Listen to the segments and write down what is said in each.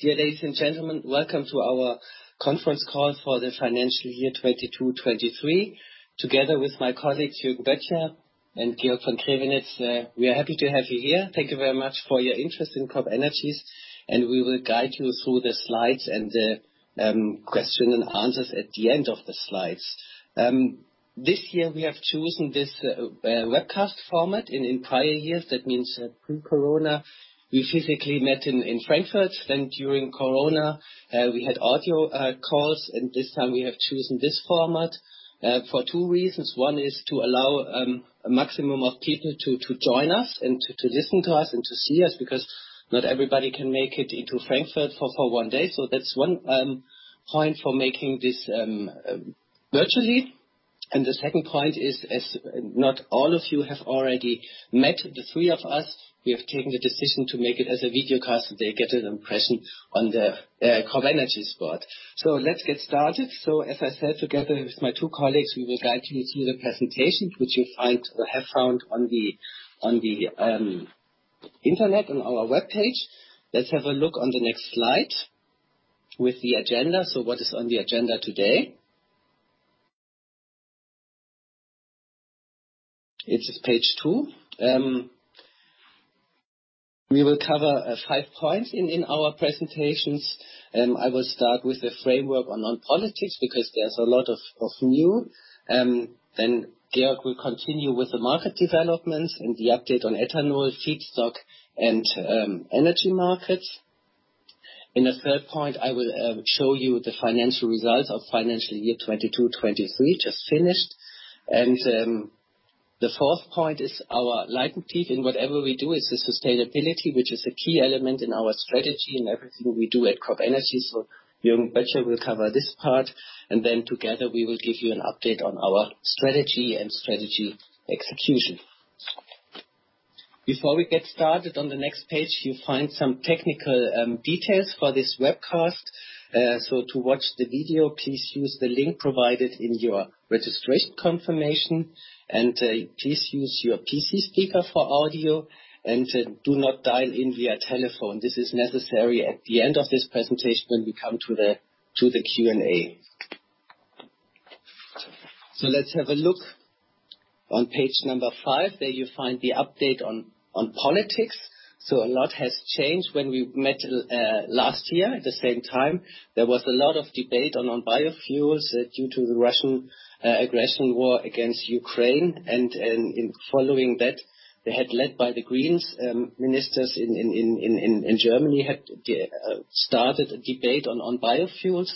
Dear ladies and gentlemen, welcome to our conference call for the financial year 2022/2023. Together with my colleagues, Jürgen Böttcher and Georg von Graevenitz, we are happy to have you here. Thank you very much for your interest in CropEnergies, and we will guide you through the slides and the question and answers at the end of the slides. This year we have chosen this webcast format. In prior years, that means pre-corona, we physically met in Frankfurt. During corona, we had audio calls, and this time we have chosen this format for two reasons. One is to allow a maximum of people to join us and to listen to us and to see us, because not everybody can make it into Frankfurt for one day. That's one point for making this virtually. The second point is, as not all of you have already met the three of us, we have taken the decision to make it as a videocast, so that they get an impression on the CropEnergies board. Let's get started. As I said, together with my two colleagues, we will guide you through the presentation, which you'll find or have found on the internet on our webpage. Let's have a look on the next slide with the agenda. What is on the agenda today? It is page two. We will cover five points in our presentations. I will start with the framework on politics because there's a lot of new. Georg will continue with the market developments and the update on ethanol feedstock and energy markets. In the third point, I will show you the financial results of financial year 2022/2023, just finished. The fourth point is our leitmotif in whatever we do is the sustainability, which is a key element in our strategy and everything we do at CropEnergies. Jürgen Böttcher will cover this part, and then together we will give you an update on our strategy and strategy execution. Before we get started, on the next page you find some technical details for this webcast. To watch the video, please use the link provided in your registration confirmation, please use your PC speaker for audio and do not dial in via telephone. This is necessary at the end of this presentation when we come to the Q&A. Let's have a look on page number five, where you find the update on politics. A lot has changed. When we met last year at the same time, there was a lot of debate on biofuels due to the Russian aggression war against Ukraine. In following that, they had led by the Greens, ministers in Germany had started a debate on biofuels.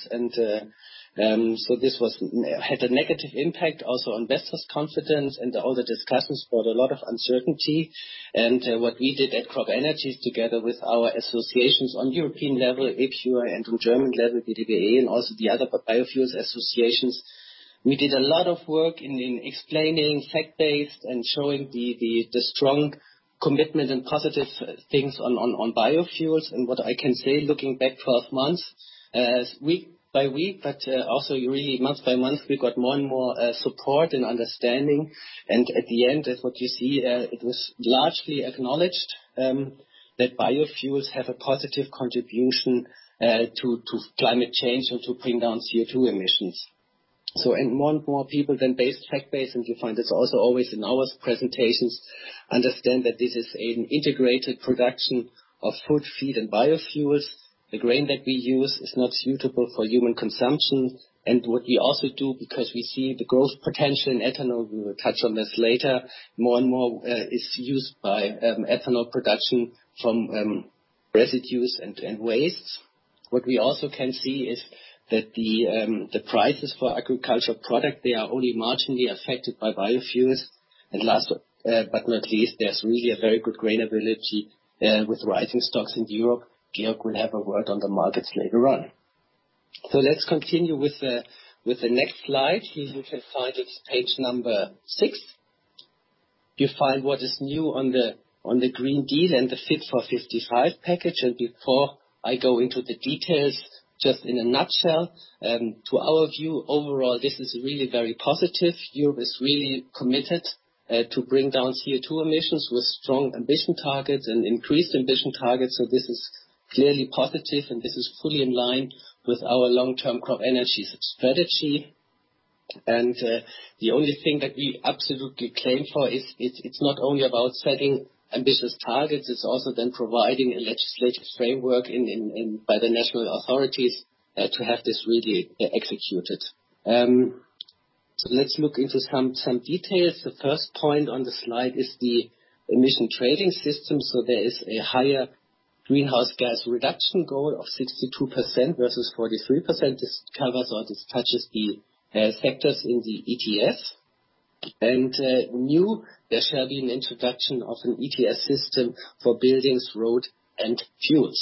This had a negative impact also on investors' confidence and all the discussions brought a lot of uncertainty. What we did at CropEnergies, together with our associations on European level, ePURE, and through German level, BDBe, and also the other biofuels associations, we did a lot of work in explaining fact-based and showing the strong commitment and positive things on biofuels. What I can say, looking back 12 months, week by week, but also really month by month, we got more and more support and understanding. At the end, as what you see, it was largely acknowledged that biofuels have a positive contribution to climate change or to bring down CO2 emissions. More and more people then fact-based, and you find this also always in our presentations, understand that this is an integrated production of food, feed, and biofuels. The grain that we use is not suitable for human consumption. What we also do, because we see the growth potential in ethanol, we will touch on this later, more and more is used by ethanol production from residues and waste. What we also can see is that the prices for agricultural product, they are only marginally affected by biofuels. Last but not least, there's really a very good grain availability with rising stocks in Europe. Georg will have a word on the markets later on. Let's continue with the next slide. Here you can find it's page number six. You find what is new on the Green Deal and the Fit for 55 package. Before I go into the details, just in a nutshell, to our view, overall, this is really very positive. Europe is really committed to bring down CO2 emissions with strong ambition targets and increased ambition targets. This is clearly positive, and this is fully in line with our long-term CropEnergies strategy. The only thing that we absolutely claim for is it's not only about setting ambitious targets, it's also then providing a legislative framework in by the national authorities to have this really e-executed. Let's look into some details. The first point on the slide is the Emission Trading System. There is a higher greenhouse gas reduction goal of 62% versus 43%. This covers or this touches the sectors in the ETS. New, there shall be an introduction of an ETS system for buildings, road, and fuels.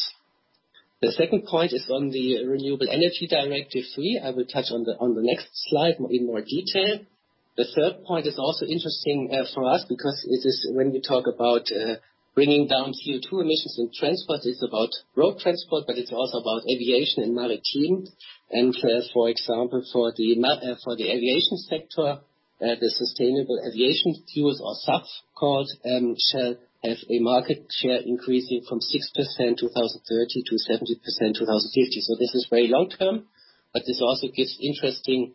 The second point is on the Renewable Energy Directive fee. I will touch on the next slide in more detail. The third point is also interesting for us because it is when we talk about bringing down CO2 emissions in transport, it's about road transport, but it's also about aviation and maritime. For example, for the aviation sector, the sustainable aviation fuels or SAF called, shall have a market share increasing from 6% 2030 to 70% 2050. This is very long-term, but this also gives interesting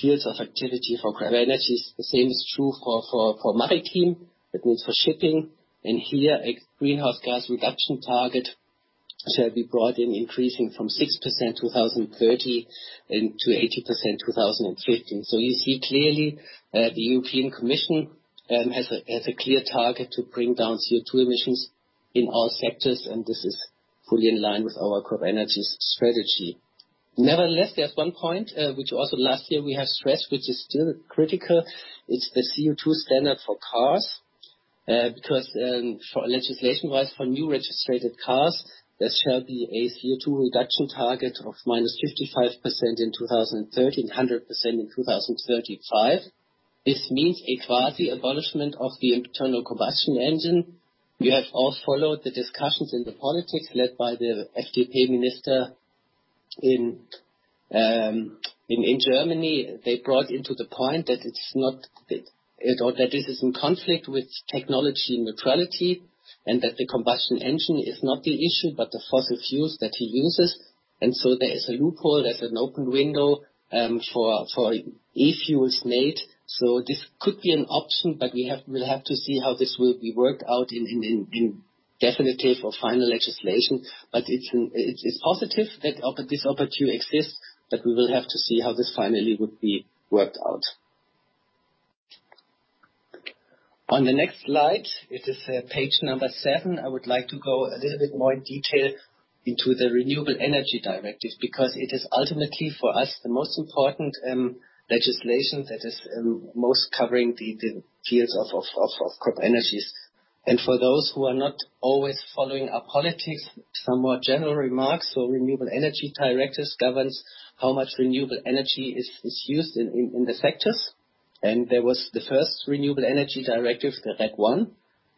fields of activity for CropEnergies. The same is true for maritime. That means for shipping. Here, a greenhouse gas reduction target shall be brought in increasing from 6% 2030 and to 80% 2050. You see clearly, the European Commission has a clear target to bring down CO2 emissions in all sectors, and this is fully in line with our CropEnergies strategy. Nevertheless, there's one point, which also last year we have stressed, which is still critical, is the CO2 standard for cars. Because, for legislation-wise, for new registered cars, there shall be a CO2 reduction target of minus 55% in 2030, and 100% in 2035. This means a quasi abolishment of the internal combustion engine. We have all followed the discussions in the politics led by the FDP minister in Germany. They brought into the point that this is in conflict with technology neutrality, and that the combustion engine is not the issue, but the fossil fuels that he uses. There is a loophole. There's an open window for e-fuels made. This could be an option, but we'll have to see how this will be worked out in definitive or final legislation. It's positive that this opportunity exists, but we will have to see how this finally would be worked out. On the next slide, it is page number seven. I would like to go a little bit more in detail into the Renewable Energy Directive, because it is ultimately for us, the most important legislation that is most covering the fields of CropEnergies. For those who are not always following our politics, some more general remarks. Renewable Energy Directive governs how much renewable energy is used in the sectors. There was the first Renewable Energy Directive, the RED I,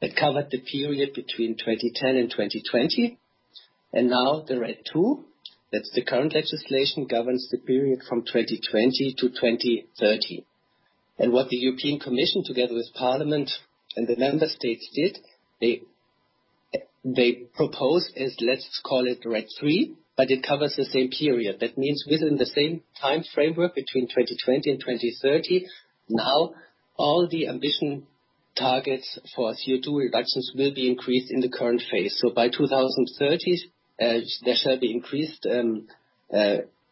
that covered the period between 2010 and 2020. Now the RED II, that's the current legislation, governs the period from 2020 to 2030. What the European Commission, together with parliament and the member states did, they proposed is, let's call it RED III, but it covers the same period. That means within the same time framework, between 2020 and 2030. Now, all the ambition targets for CO2 reductions will be increased in the current phase. By 2030, there shall be increased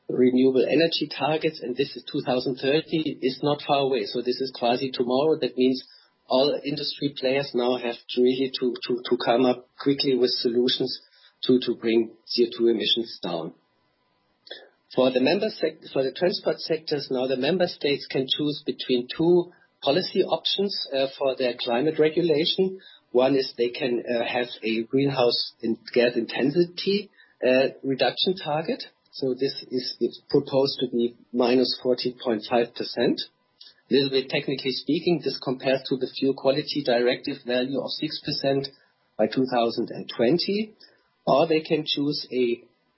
renewable energy targets. This is 2030, it's not far away. This is quasi tomorrow. That means all industry players now have to really to come up quickly with solutions to bring CO2 emissions down. For the transport sectors, the member states can choose between two policy options for their climate regulation. One is they can have a greenhouse gas intensity reduction target. This is proposed to be -40.5%. Little bit technically speaking, this compared to the Fuel Quality Directive value of 6% by 2020. They can choose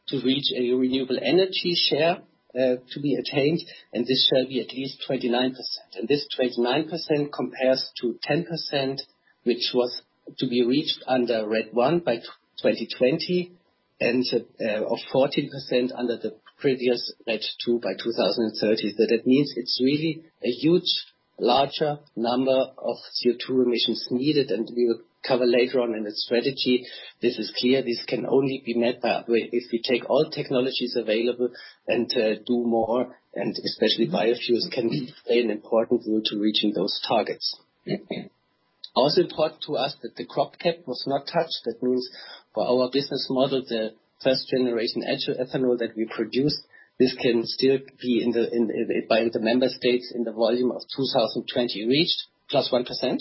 to reach a renewable energy share to be attained, and this shall be at least 29%. This 29% compares to 10%, which was to be reached under RED I by 2020 or 14% under the previous RED II by 2030. That means it's really a huge larger number of CO2 emissions needed. We'll cover later on in the strategy. This is clear. This can only be met by way, if we take all technologies available and do more, and especially biofuels can play an important role to reaching those targets. Important to us that the crop cap was not touched. That means for our business model, the first generation actual ethanol that we produce, this can still be in the member states in the volume of 2020 reached, plus 1%,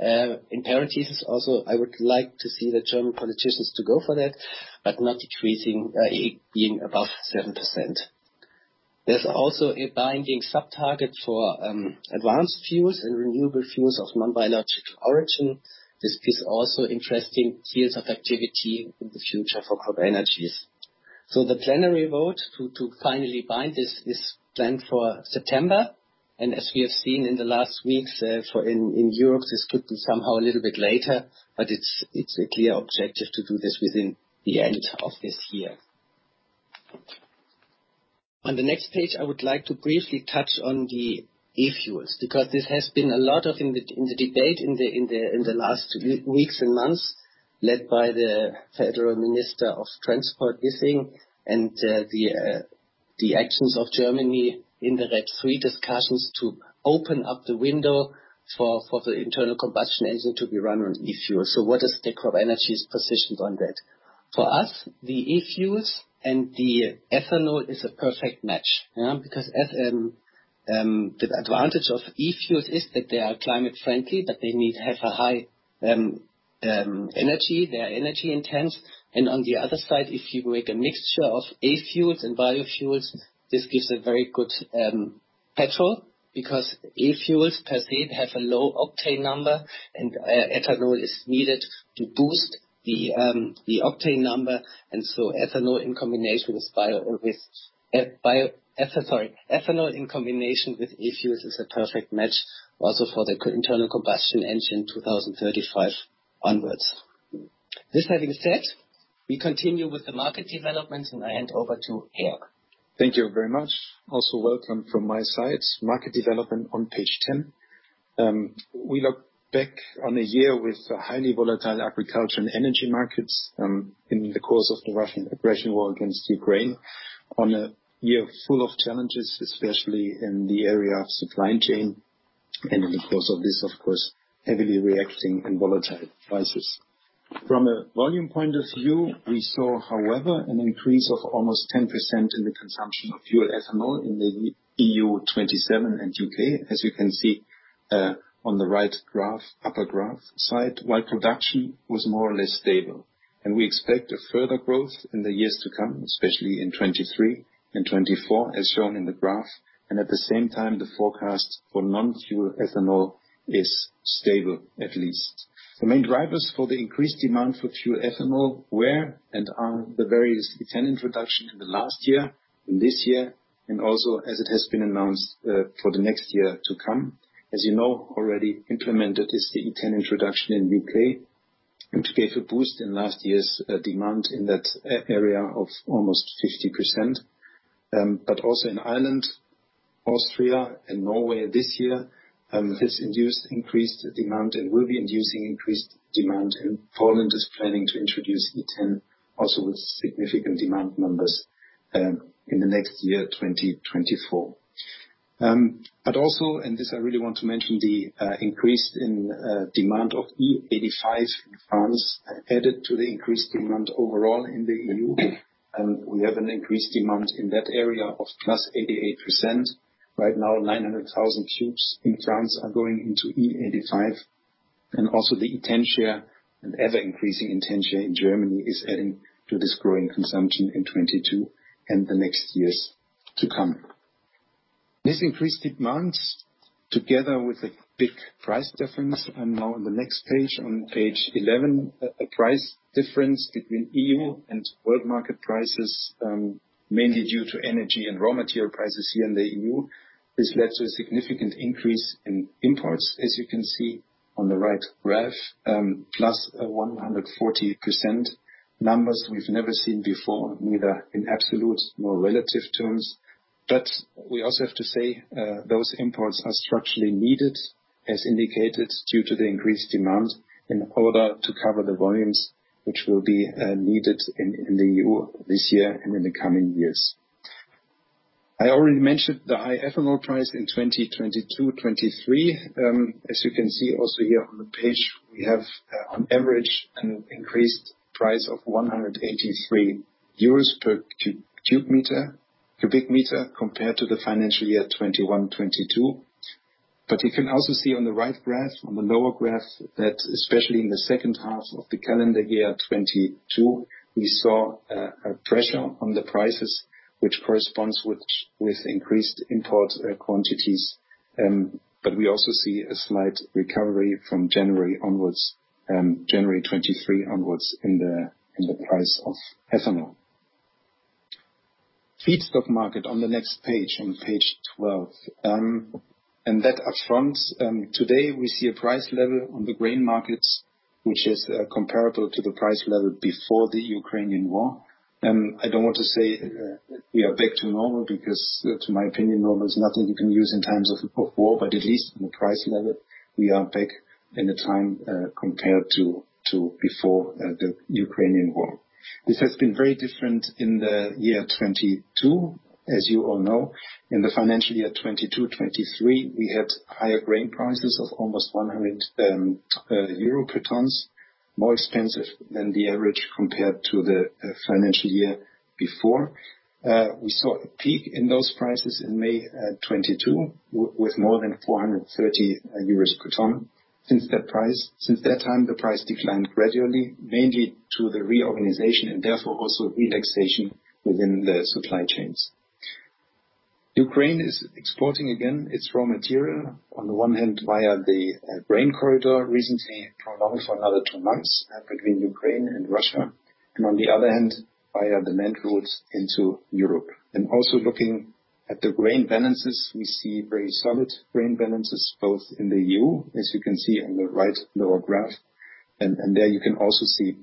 in parentheses. I would like to see the German politicians to go for that, but not decreasing it being above 7%. There's also a binding sub-target for advanced fuels and renewable fuels of non-biological origin. This gives also interesting fields of activity in the future for CropEnergies. The plenary vote to finally bind this is planned for September. As we have seen in the last weeks, in Europe, this could be somehow a little bit later, but it's a clear objective to do this within the end of this year. On the next page, I would like to briefly touch on the e-fuels, because this has been a lot of in the debate in the last weeks and months, led by the Federal Minister of Transport, Wissing, and the actions of Germany in the RED III discussions to open up the window for the internal combustion engine to be run on e-fuel. What is the CropEnergies positions on that? For us, the e-fuels and the ethanol is a perfect match, yeah, because as the advantage of e-fuels is that they are climate friendly, but they have a high energy. They are energy intense. On the other side, if you make a mixture of e-fuels and biofuels, this gives a very good petrol, because e-fuels per se have a low octane number and ethanol is needed to boost the octane number. Ethanol in combination with e-fuels is a perfect match also for the internal combustion engine, 2035 onwards. This having said, we continue with the market developments, and I hand over to Georg. Thank you very much. Also welcome from my side. Market development on page 10. We look back on a year with highly volatile agriculture and energy markets, in the course of the Russian aggression war against Ukraine. On a year full of challenges, especially in the area of supply chain and in the course of this, of course, heavily reacting and volatile prices. From a volume point of view, we saw, however, an increase of almost 10% in the consumption of fuel ethanol in the EU-27 and U.K., as you can see on the right graph, upper graph side, while production was more or less stable. We expect a further growth in the years to come, especially in 2023 and 2024, as shown in the graph. At the same time, the forecast for non-fuel ethanol is stable, at least. The main drivers for the increased demand for fuel ethanol were and are the various E10 introduction in the last year and this year, and also as it has been announced for the next year to come. As you know, already implemented is the E10 introduction in U.K., which gave a boost in last year's demand in that area of almost 50%. In Ireland, Austria and Norway this year has induced increased demand and will be inducing increased demand. Poland is planning to introduce E10 also with significant demand numbers in the next year, 2024. This I really want to mention, the increase in demand of E85 in France added to the increased demand overall in the EU. We have an increased demand in that area of +88%. Right now, 900,000 cubes in France are going into E85. The E10 share and ever-increasing E10 share in Germany is adding to this growing consumption in 2022 and the next years to come. This increased demand, together with a big price difference, and now on the next page, on page 11, a price difference between EU and world market prices, mainly due to energy and raw material prices here in the EU, this led to a significant increase in imports. As you can see on the right graph, plus 140%. Numbers we've never seen before, neither in absolute nor relative terms. We also have to say, those imports are structurally needed, as indicated, due to the increased demand in order to cover the volumes which will be needed in the EU this year and in the coming years. I already mentioned the high ethanol price in 2022, 2023. As you can see also here on the page, we have on average an increased price of 183 euros per cubic meter compared to the financial year 2021, 2022. You can also see on the right graph, on the lower graph, that especially in the second half of the calendar year 2022, we saw a pressure on the prices, which corresponds with increased import quantities. We also see a slight recovery from January onwards, January 2023 onwards in the price of ethanol. Feedstock market on the next page, on page 12. That up front, today we see a price level on the grain markets, which is comparable to the price level before the Ukrainian War. I don't want to say we are back to normal because to my opinion, normal is nothing you can use in times of war, but at least in the price level, we are back in the time, compared to before the Ukrainian War. This has been very different in the year 2022. As you all know, in the financial year 2022, 2023, we had higher grain prices of almost 100 euro per ton, more expensive than the average compared to the financial year before. We saw a peak in those prices in May 2022 with more than 430 euros per ton. Since that time, the price declined gradually, mainly to the reorganization and therefore also relaxation within the supply chains. Ukraine is exporting again its raw material, on the one hand via the grain corridor, recently prolonged for another two months, between Ukraine and Russia, and on the other hand, via the land routes into Europe. Also looking at the grain balances, we see very solid grain balances, both in the EU, as you can see on the right lower graph. There you can also see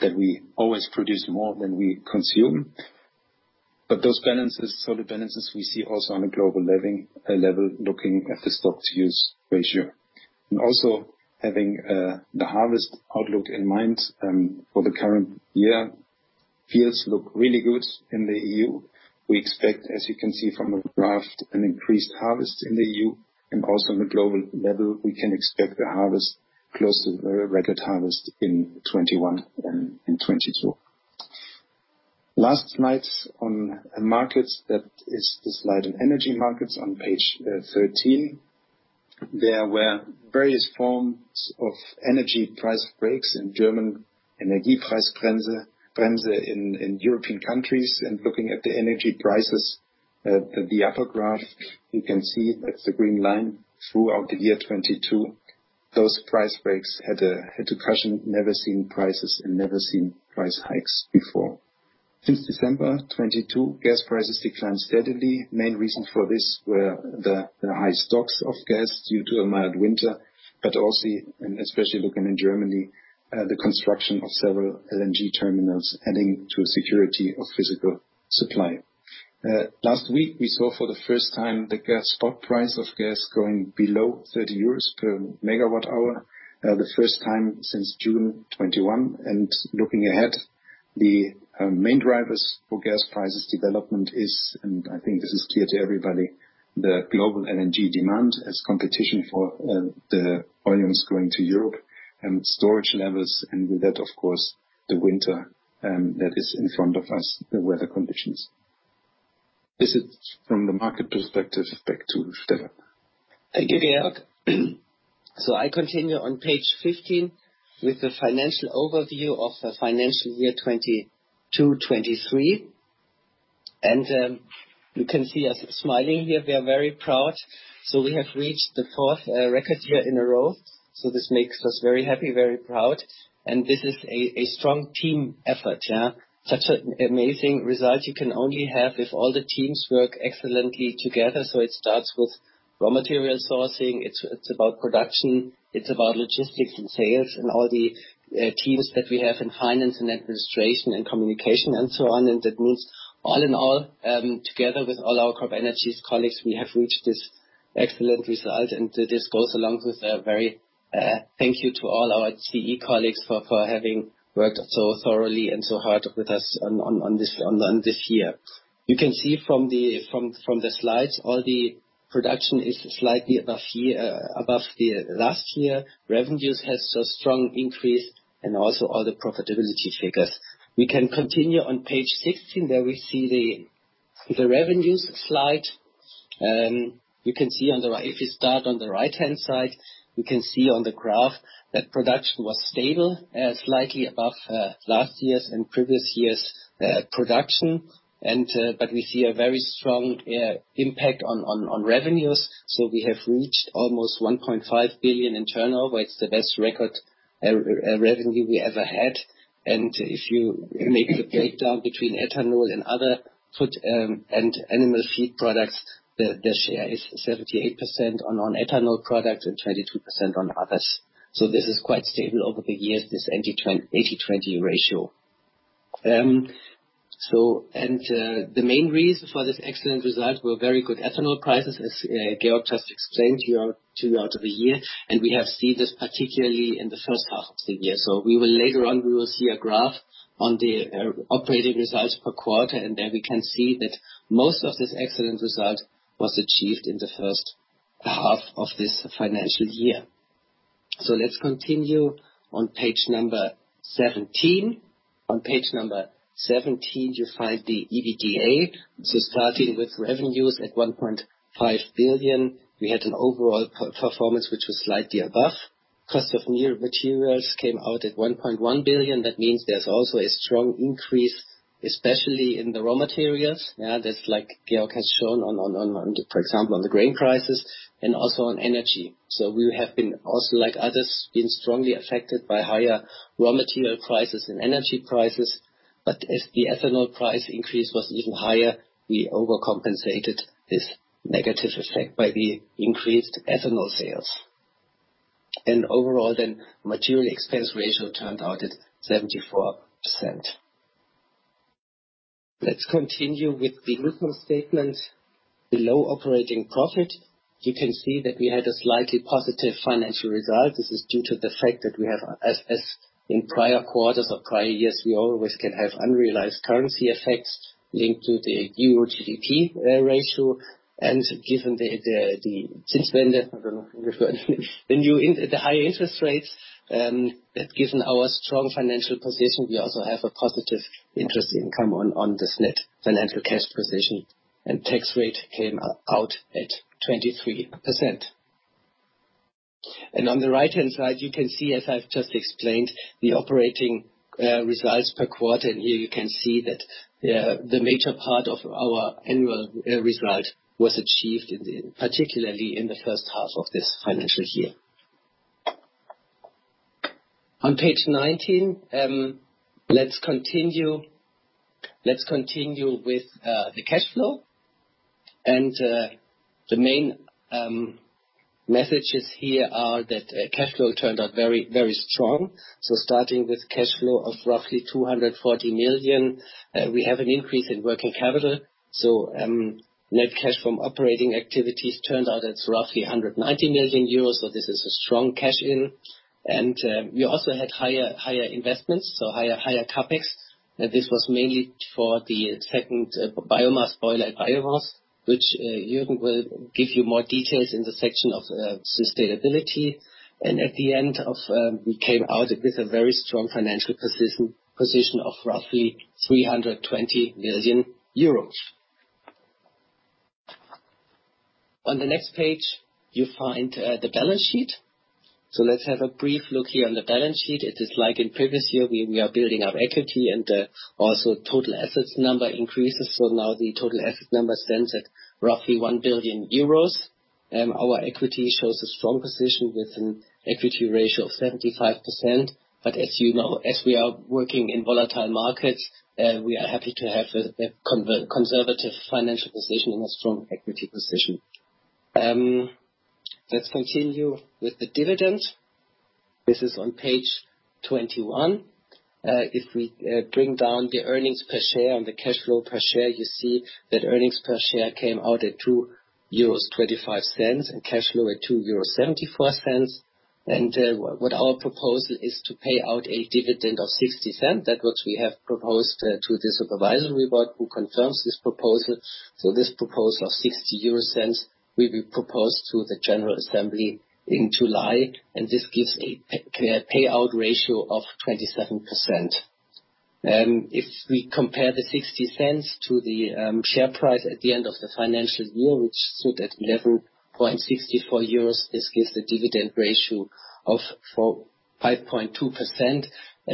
that we always produce more than we consume. Those balances, solid balances we see also on a global living level, looking at the stock to use ratio. Also having the harvest outlook in mind for the current year, fields look really good in the EU. We expect, as you can see from the graph, an increased harvest in the EU and also on the global level, we can expect a harvest close to the record harvest in 2021 and in 2022. Last slide on markets. That is the slide on energy markets on page 13. There were various forms of energy price breaks in German Energiepreisbremse, Bremse in European countries and looking at the energy prices. The upper graph, you can see that's the green line throughout the year 2022. Those price breaks had to cushion never seen prices and never seen price hikes before. Since December 2022, gas prices declined steadily. Main reason for this were the high stocks of gas due to a mild winter, also, and especially looking in Germany, the construction of several LNG terminals adding to security of physical supply. Last week we saw for the first time the gas spot price of gas going below 30 euros per megawatt hour, the first time since June 2021. Looking ahead, the main drivers for gas prices development is, and I think this is clear to everybody, the global LNG demand as competition for the volumes going to Europe and storage levels, and with that of course the winter that is in front of us, the weather conditions. This is from the market perspective. Back to Stefan. Thank you, Georg. I continue on page 15 with the financial overview of the financial year 2022, 2023. You can see us smiling here. We are very proud. We have reached the fourth record year in a row, so this makes us very happy, very proud. This is a strong team effort, yeah. Such an amazing result you can only have if all the teams work excellently together. It starts with raw material sourcing. It's about production, it's about logistics and sales and all the teams that we have in finance and administration and communication and so on. That means all in all, together with all our CropEnergies colleagues, we have reached this excellent result, and this goes along with a very thank you to all our CropEnergies colleagues for having worked so thoroughly and so hard with us on this year. You can see from the slides, all the production is slightly above year, above the last year. Revenues has a strong increase and also all the profitability figures. We can continue on page 16, where we see the revenues slide. If you start on the right-hand side, you can see on the graph that production was stable, slightly above last year's and previous year's production. But we see a very strong impact on revenues. We have reached almost 1.5 billion in turnover. It's the best record revenue we ever had. If you make the breakdown between ethanol and other food and animal feed products, the share is 78% on ethanol products and 22% on others. This is quite stable over the years, this 80/20 ratio. The main reason for this excellent result were very good ethanol prices, as Georg just explained here throughout the year, and we have seen this particularly in the first half of the year. We will later on, we will see a graph on the operating results per quarter, and there we can see that most of this excellent result was achieved in the first half of this financial year. Let's continue on page number 17. On page number 17, you find the EBITDA. Starting with revenues at 1.5 billion, we had an overall per-performance which was slightly above. Cost of new materials came out at 1.1 billion. That means there's also a strong increase, especially in the raw materials. Yeah, that's like Georg has shown on, for example, on the grain prices and also on energy. We have been also, like others, been strongly affected by higher raw material prices and energy prices. As the ethanol price increase was even higher, we overcompensated this negative effect by the increased ethanol sales. Overall, then material expense ratio turned out at 74%. Let's continue with the income statement below operating profit. You can see that we had a slightly positive financial result. This is due to the fact that we have as in prior quarters or prior years, we always can have unrealized currency effects linked to the Euro GDP ratio. On the next page, you find the balance sheet. Let's have a brief look here on the balance sheet. It is like in previous year, we are building up equity and also total assets number increases. Now the total asset number stands at roughly 1 billion euros. Our equity shows a strong position with an equity ratio of 75%. As you know, as we are working in volatile markets, we are happy to have a conservative financial position and a strong equity position. Let's continue with the dividend. This is on page 21. If we bring down the earnings per share and the cash flow per share, you see that earnings per share came out at 2.25 euros, and cash flow at 2.74 euros. What our proposal is to pay out a dividend of 0.60. That what we have proposed to the supervisory board who confirms this proposal. This proposal of 0.60 will be proposed to the general assembly in July, and this gives a payout ratio of 27%. If we compare the 0.60 to the share price at the end of the financial year, which stood at 11.64 euros, this gives the dividend ratio of 5.2%.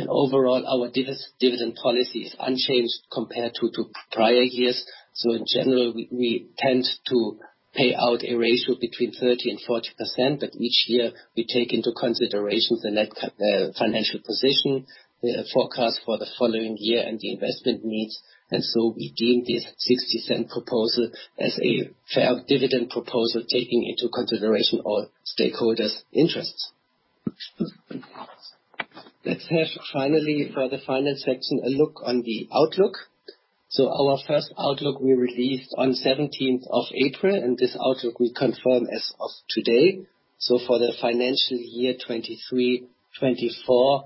Overall, our dividend policy is unchanged compared to prior years. In general, we tend to pay out a ratio between 30% and 40%, but each year we take into consideration the net financial position, the forecast for the following year and the investment needs. We deem this 0.60 proposal as a fair dividend proposal, taking into consideration all stakeholders' interests. Let's have finally for the finance section a look on the outlook. Our first outlook we released on April 17th, and this outlook we confirm as of today. For the financial year 2023-2024,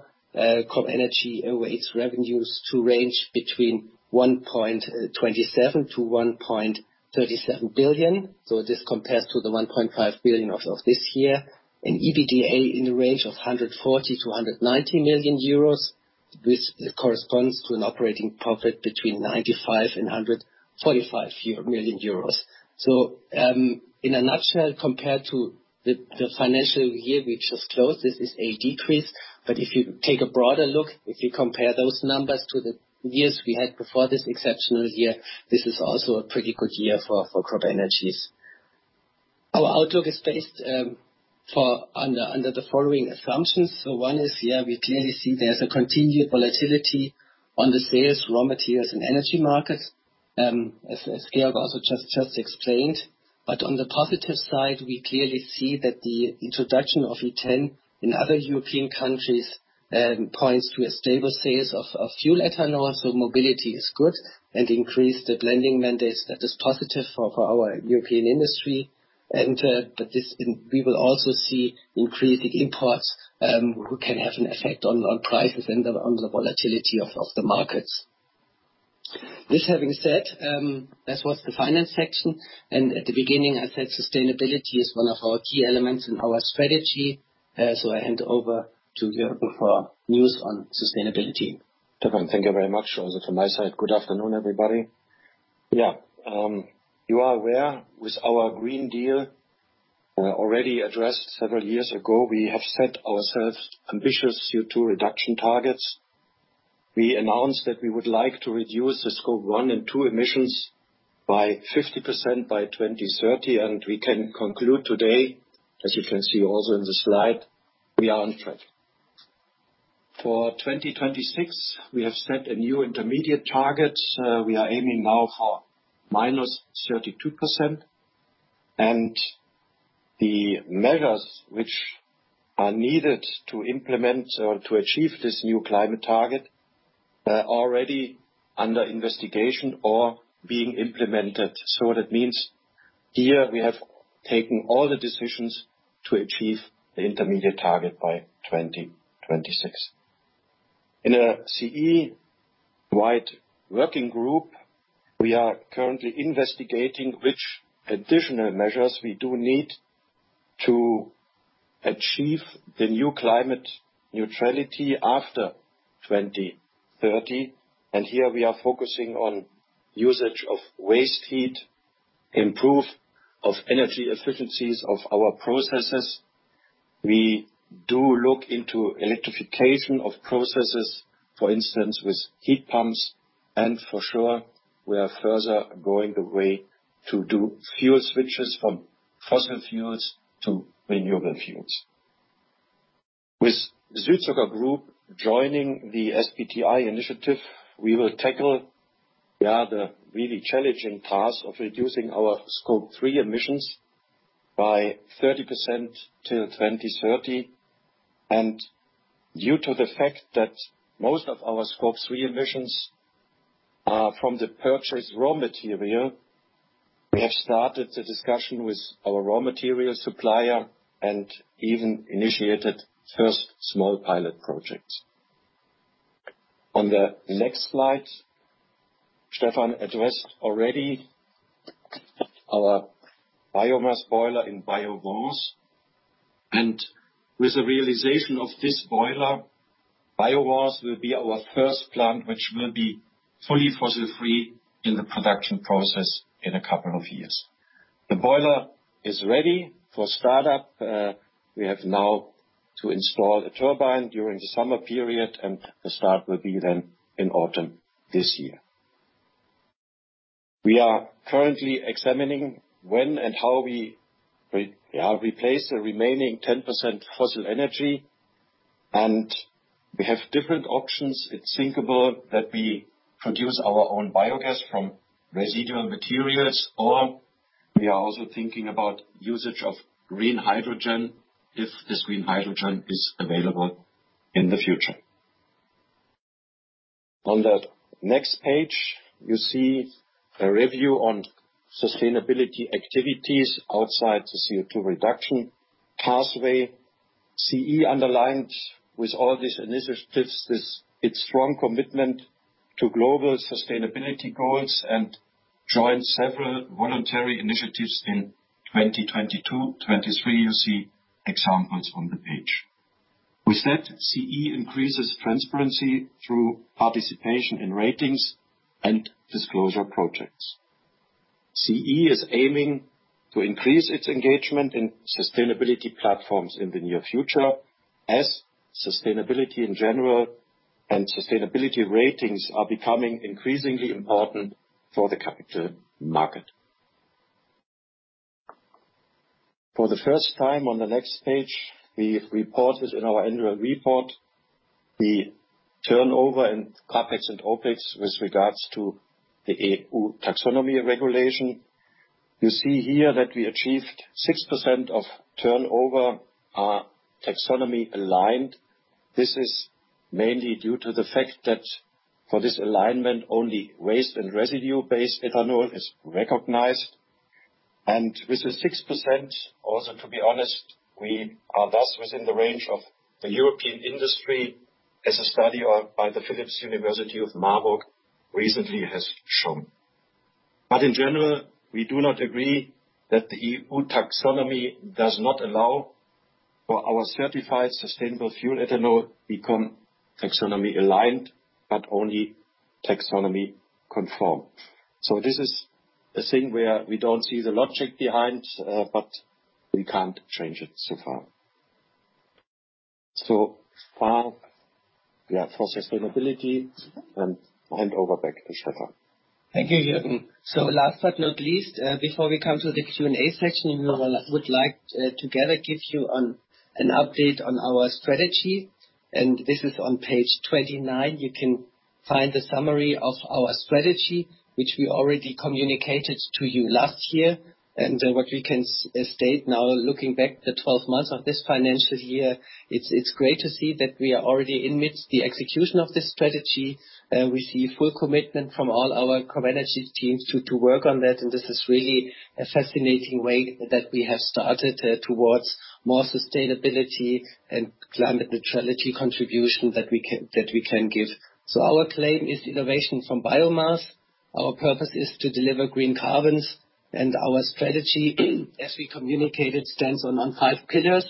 CropEnergies awaits revenues to range between 1.27 billion-1.37 billion. This compares to the 1.5 billion of this year. An EBITDA in the range of 140 million-190 million euros, which corresponds to an operating profit between 95 million euros and 145 million euros. In a nutshell, compared to the financial year we just closed, this is a decrease. If you take a broader look, if you compare those numbers to the years we had before this exceptional year, this is also a pretty good year for CropEnergies. Our outlook is based under the following assumptions. One is, we clearly see there's a continued volatility on the sales, raw materials, and energy markets, as Georg also just explained. On the positive side, we clearly see that the introduction of E10 in other European countries points to a stable sales of fuel ethanol, so mobility is good and increase the blending mandates. That is positive for our European industry. We will also see increasing imports, who can have an effect on prices and on the volatility of the markets. This having said, that was the finance section. At the beginning I said sustainability is one of our key elements in our strategy. I hand over to Jürgen for news on sustainability. Stefan, thank you very much. Also to my side, good afternoon, everybody. You are aware with our Green Deal, already addressed several years ago, we have set ourselves ambitious CO2 reduction targets. We announced that we would like to reduce the Scope 1 and 2 emissions by 50% by 2030. We can conclude today, as you can see also in the slide, we are on track. For 2026, we have set a new intermediate target. We are aiming now for -32%. The measures which are needed to implement or to achieve this new climate target are already under investigation or being implemented. That means here we have taken all the decisions to achieve the intermediate target by 2026. In a CE-wide working group, we are currently investigating which additional measures we do need to achieve the new climate neutrality after 2030. Here we are focusing on usage of waste heat, improve of energy efficiencies of our processes. We do look into electrification of processes, for instance, with heat pumps, and for sure, we are further going the way to do fuel switches from fossil fuels to renewable fuels. With Südzucker Group joining the SBTI initiative, we will tackle, yeah, the really challenging task of reducing our Scope 3 emissions by 30% till 2030. Due to the fact that most of our Scope 3 emissions are from the purchased raw material, we have started the discussion with our raw material supplier and even initiated first small pilot projects. On the next slide, Stefan addressed already our biomass boiler in BioWanze. With the realization of this boiler, BioWanze will be our first plant which will be fully fossil-free in the production process in a couple of years. The boiler is ready for start-up. We have now to install the turbine during the summer period, and the start will be then in autumn this year. We are currently examining when and how we replace the remaining 10% fossil energy. We have different options. It's thinkable that we produce our own biogas from residual materials, or we are also thinking about usage of green hydrogen if this green hydrogen is available in the future. On the next page, you see a review on sustainability activities outside the CO2 reduction pathway. CropEnergies underlined with all these initiatives, its strong commitment to global sustainability goals and joined several voluntary initiatives in 2022, 2023. You see examples on the page. CropEnergies increases transparency through participation in ratings and disclosure projects. CropEnergies is aiming to increase its engagement in sustainability platforms in the near future as sustainability in general and sustainability ratings are becoming increasingly important for the capital market. For the first time, on the next page, we reported in our annual report the turnover and CapEx and OpEx with regards to the EU Taxonomy regulation. You see here that we achieved 6% of turnover are Taxonomy-aligned. This is mainly due to the fact that for this alignment, only waste and residue-based ethanol is recognized. With the 6% also, to be honest, we are thus within the range of the European industry as a study or by the Philipps-Universität Marburg recently has shown. In general, we do not agree that the EU Taxonomy does not allow for our certified sustainable fuel ethanol become taxonomy-aligned, but only taxonomy-conformed. This is a thing where we don't see the logic behind, but we can't change it so far. For sustainability, and hand over back to Stefan. Thank you, Jürgen. Last but not least, before we come to the Q&A section, we would like to together give you an update on our strategy, and this is on page 29. You can find the summary of our strategy, which we already communicated to you last year. What we can state now, looking back the 12 months of this financial year, it's great to see that we are already in midst the execution of this strategy. We see full commitment from all our CropEnergies teams to work on that, this is really a fascinating way that we have started towards more sustainability and climate neutrality contribution that we can give. Our claim is innovation from biomass. Our purpose is to deliver green carbons, our strategy, as we communicated, stands on five pillars.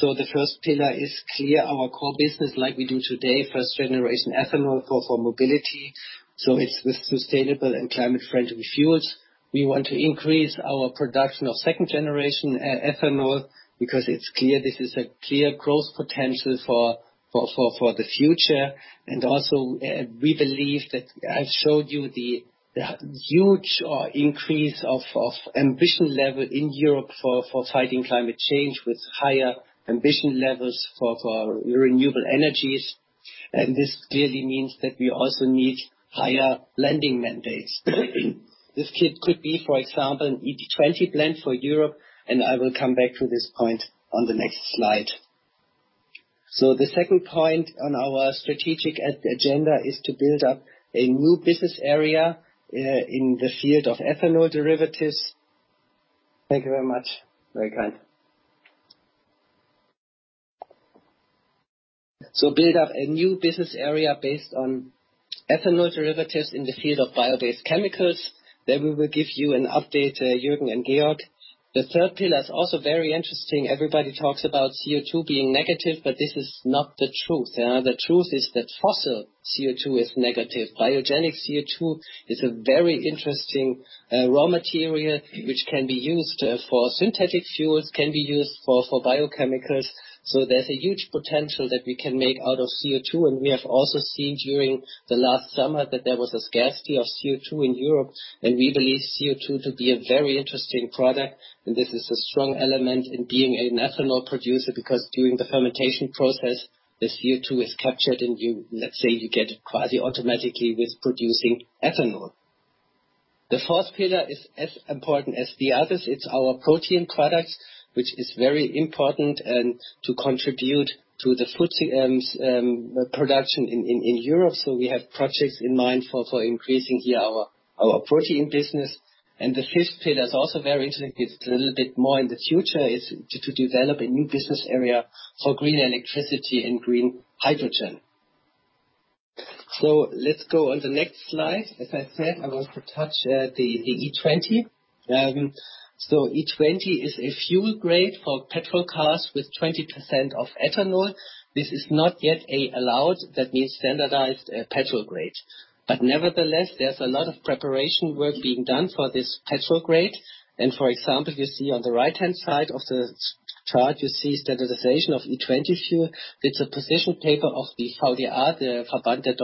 The first pillar is clear, our core business like we do today, first-generation ethanol for mobility, so it's with sustainable and climate-friendly fuels. We want to increase our production of second-generation e-ethanol because it's clear this is a clear growth potential for the future. Also, we believe that I showed you the huge increase of ambition level in Europe for fighting climate change with higher ambition levels for renewable energies. This clearly means that we also need higher lending mandates. This could be, for example, an E20 blend for Europe, and I will come back to this point on the next slide. The second point on our strategic agenda is to build up a new business area in the field of ethanol derivatives. Thank you very much. Very kind. Build up a new business area based on ethanol derivatives in the field of bio-based chemicals. We will give you an update, Jürgen and Georg. The third pillar is also very interesting. Everybody talks about CO2 being negative, but this is not the truth, yeah? The truth is that fossil CO2 is negative. Biogenic CO2 is a very interesting raw material which can be used for synthetic fuels, can be used for biochemicals. There's a huge potential that we can make out of CO2. We have also seen during the last summer that there was a scarcity of CO2 in Europe, and we believe CO2 to be a very interesting product. This is a strong element in being an ethanol producer because during the fermentation process, the CO2 is captured and you. let's say you get it quasi automatically with producing ethanol. The fourth pillar is as important as the others. It's our protein products, which is very important, and to contribute to the food CMs production in Europe. We have projects in mind for increasing here our protein business. The fifth pillar is also very interesting. It's a little bit more in the future. It's to develop a new business area for green electricity and green hydrogen. Let's go on the next slide. As I said, I want to touch the E20. E20 is a fuel grade for petrol cars with 20% of ethanol. This is not yet allowed, that means standardized, petrol grade. Nevertheless, there's a lot of preparation work being done for this petrol grade. For example, you see on the right-hand side of the chart, you see standardization of E20 fuel with a position paper of the VDA, the Verband der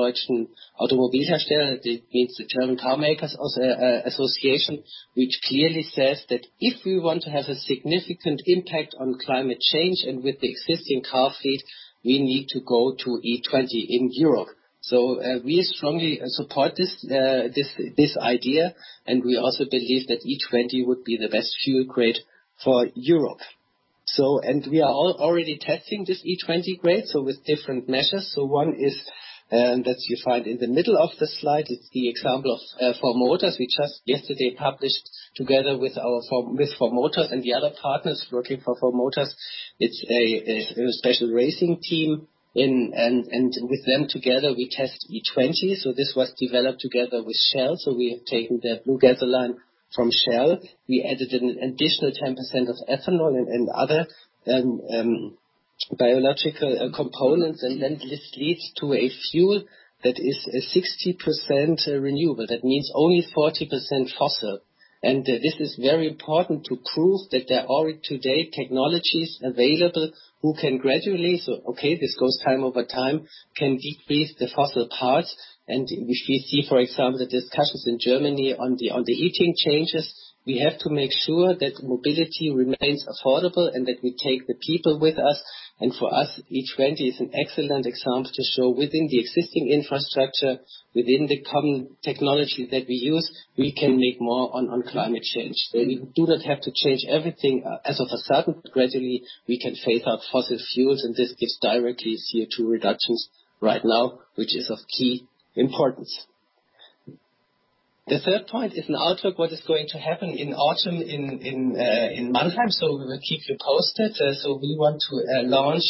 Automobilindustrie. It's the German car makers association, which clearly says that if we want to have a significant impact on climate change and with the existing car fleet, we need to go to E20 in Europe. We strongly support this idea, and we also believe that E20 would be the best fuel grade for Europe. We are already testing this E20 grade, so with different measures. One is that you find in the middle of the slide. It's the example of Four Motors. We just yesterday published together with our Four Motors and the other partners working for Four Motors. It's a special racing team and with them together we test E20. This was developed together with Shell. We have taken their Blue Gasoline from Shell. We added an additional 10% of ethanol and other biological components, and then this leads to a fuel that is 60% renewable. That means only 40% fossil. This is very important to prove that there are today technologies available who can gradually, so okay, this goes time over time, can decrease the fossil parts. We see, for example, the discussions in Germany on the E10 changes. We have to make sure that mobility remains affordable and that we take the people with us. For us, E20 is an excellent example to show within the existing infrastructure, within the common technology that we use, we can make more on climate change. We do not have to change everything as of a sudden, but gradually we can phase out fossil fuels. This gives directly CO2 reductions right now, which is of key importance. The third point is an outlook, what is going to happen in autumn in Mannheim. We will keep you posted. We want to launch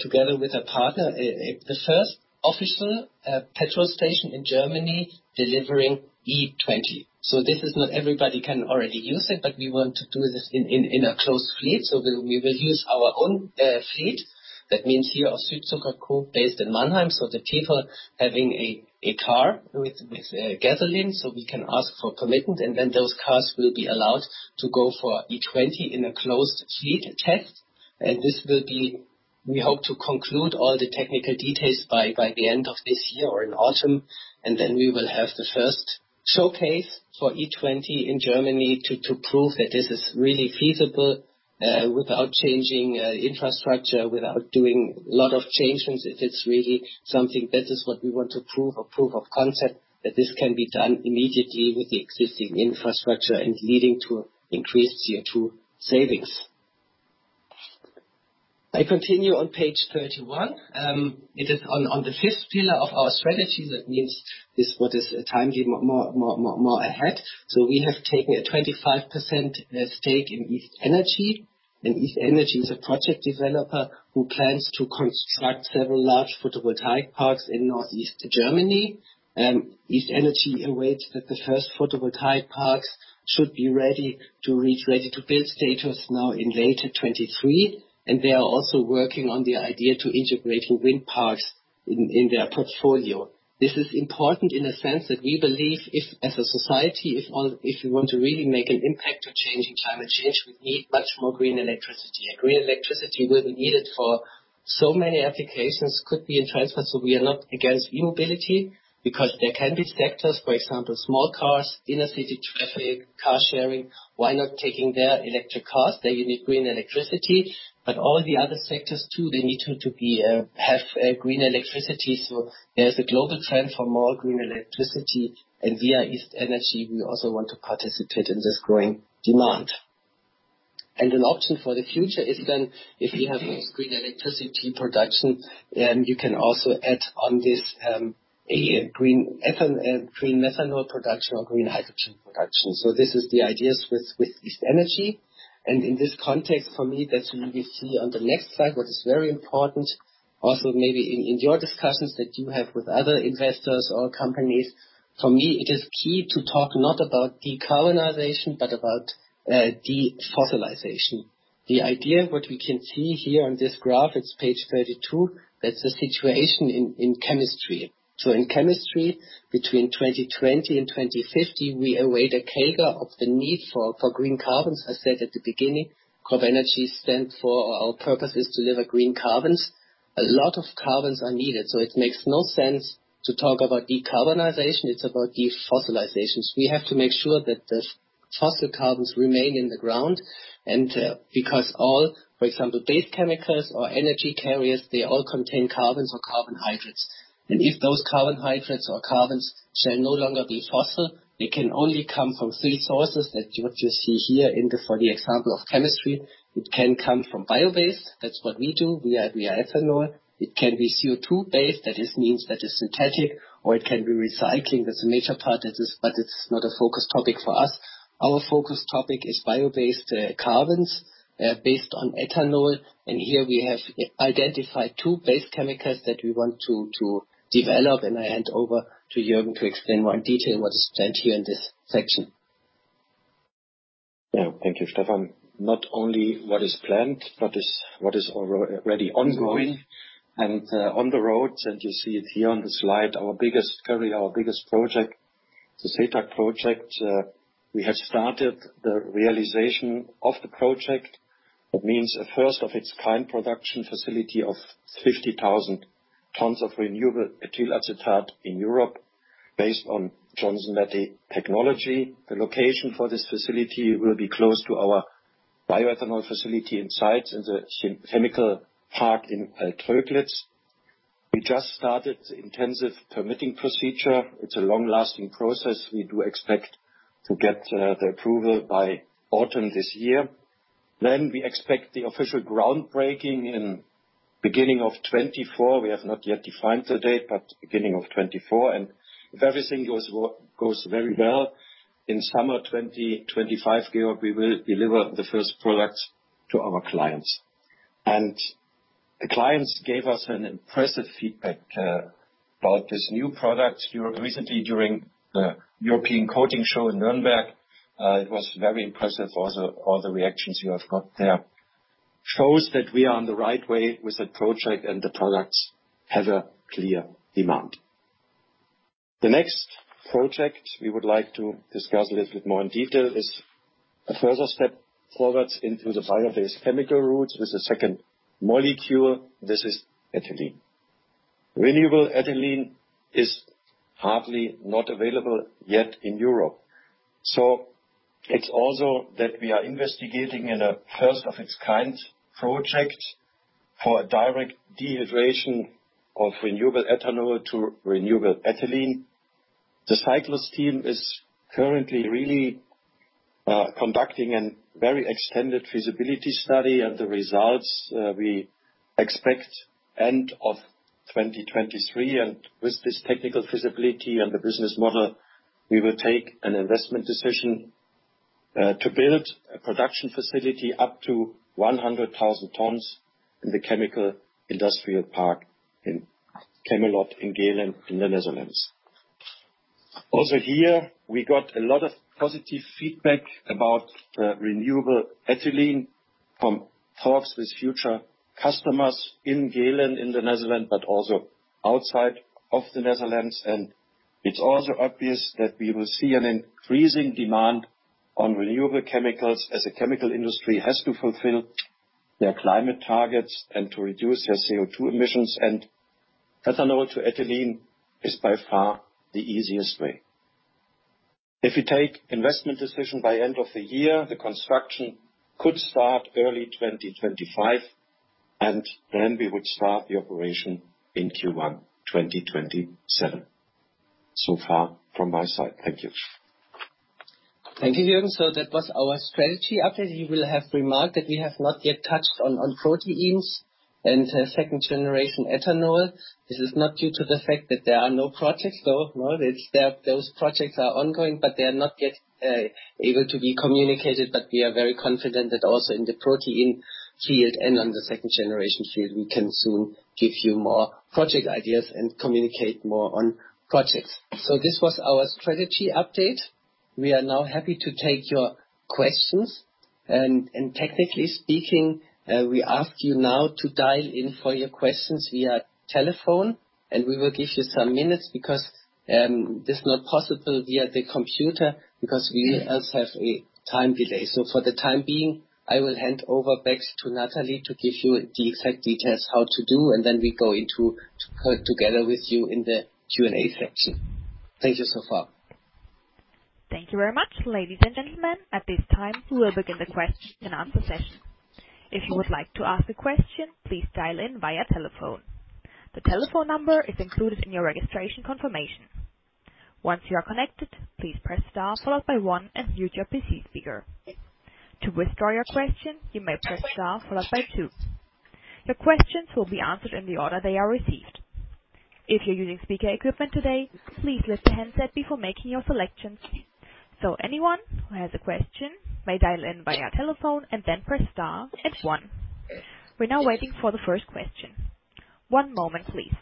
together with a partner the first official petrol station in Germany delivering E20. This is not everybody can already use it, but we want to do this in a closed fleet. We will use our own fleet. That means here our Südzucker Group based in Mannheim, the people having a car with gasoline, we can ask for commitment, and then those cars will be allowed to go for E20 in a closed fleet test. This will be, we hope to conclude all the technical details by the end of this year or in autumn, we will have the first showcase for E20 in Germany to prove that this is really feasible without changing infrastructure, without doing a lot of changes. It is really something. This is what we want to prove, a proof of concept, that this can be done immediately with the existing infrastructure and leading to increased CO2 savings. I continue on page 31. It is on the fifth pillar of our strategy. That means this what is a time given more ahead. We have taken a 25% stake in East Energy, East Energy is a project developer who plans to construct several large photovoltaic parks in Northeast Germany. East Energy awaits that the first photovoltaic parks should be ready to reach ready-to-build status now in later 2023, they are also working on the idea to integrate wind parks in their portfolio. This is important in a sense that we believe if, as a society, if we want to really make an impact to changing climate change, we need much more green electricity. Green electricity will be needed for so many applications, could be in transport, we are not against e-mobility because there can be sectors, for example, small cars, inner city traffic, car sharing. Why not taking their electric cars? They need green electricity. All the other sectors too, they need to have green electricity. There's a global trend for more green electricity and via East Energy, we also want to participate in this growing demand. An option for the future is then if you have green electricity production, then you can also add on this a green methanol production or green hydrogen production. This is the ideas with East Energy. In this context, for me, that you will see on the next slide, what is very important also maybe in your discussions that you have with other investors or companies, for me it is key to talk not about decarbonization, but about defossilization. The idea, what we can see here on this graph, it's page 32, that's the situation in chemistry. In chemistry, between 2020 and 2050, we await a CAGR of the need for green carbons. I said at the beginning, CropEnergies stands for our purpose is to deliver green carbons. A lot of carbons are needed, it makes no sense to talk about decarbonization. It's about defossilization. We have to make sure that the fossil carbons remain in the ground, because all, for example, base chemicals or energy carriers, they all contain carbons or carbohydrates. If those carbohydrates or carbons shall no longer be fossil, they can only come from three sources that you see here for the example of chemistry. It can come from bio-based. That's what we do. We are ethanol. It can be CO2-based. That means that is synthetic, or it can be recycling. That's a major part. It's not a focus topic for us. Our focus topic is bio-based carbons based on ethanol. Here we have identified two base chemicals that we want to develop. I hand over to Jürgen to explain more in detail what is planned here in this section. Yeah. Thank you, Stefan. Not only what is planned, but what is already ongoing and on the road. You see it here on the slide, our biggest project, the SETA project. We have started the realization of the project. That means a first of its kind production facility of 50,000 tons of renewable ethyl acetate in Europe based on Johnson Matthey technology. The location for this facility will be close to our bioethanol facility on site in the chemical park in Altötting. We just started the intensive permitting procedure. It's a long-lasting process. We do expect to get the approval by autumn this year. We expect the official groundbreaking in beginning of 2024. We have not yet defined the date, beginning of 2024. If everything goes very well, in summer 2025, Georg, we will deliver the first product to our clients. The clients gave us an impressive feedback about this new product. You know, recently during the European Coatings Show in Nuremberg, it was very impressive, all the reactions you have got there. Shows that we are on the right way with the project, and the products have a clear demand. The next project we would like to discuss a little bit more in detail is a further step forward into the bio-based chemical route with a second molecule. This is ethylene. Renewable ethylene is hardly not available yet in Europe. It's also that we are investigating in a first of its kind project for a direct dehydration of renewable ethanol to renewable ethylene. The cyclists team is currently really, conducting a very extended feasibility study, the results, we expect end of 2023. With this technical feasibility and the business model, we will take an investment decision, to build a production facility up to 100,000 tons in the chemical industrial park in Chemelot in Geleen in the Netherlands. Here, we got a lot of positive feedback about, renewable ethylene from talks with future customers in Geleen in the Netherlands, but also outside of the Netherlands. It's also obvious that we will see an increasing demand on renewable chemicals as the chemical industry has to fulfill their climate targets and to reduce their CO2 emissions. Ethanol to ethylene is by far the easiest way. If we take investment decision by end of the year, the construction could start early 2025, and then we would start the operation in Q1 2027. Far from my side. Thank you. Thank you, Jürgen. That was our strategy update. You will have remarked that we have not yet touched on proteins and second generation ethanol. This is not due to the fact that there are no projects, though. It's there. Those projects are ongoing, they are not yet able to be communicated. We are very confident that also in the protein field and on the second generation field, we can soon give you more project ideas and communicate more on projects. This was our strategy update. We are now happy to take your questions. Technically speaking, we ask you now to dial in for your questions via telephone, and we will give you some minutes because it's not possible via the computer because we also have a time delay. For the time being, I will hand over back to Natalie to give you the exact details how to do, and then we go into together with you in the Q&A section. Thank you so far. Thank you very much, ladies and gentlemen. At this time, we'll begin the question and answer session. If you would like to ask a question, please dial in via telephone. The telephone number is included in your registration confirmation. Once you are connected, please press star followed by one and mute your PC speaker. To withdraw your question, you may press star followed by two. Your questions will be answered in the order they are received. If you're using speaker equipment today, please lift the handset before making your selections. Anyone who has a question may dial in via telephone and then press star and one. We're now waiting for the first question. One moment, please.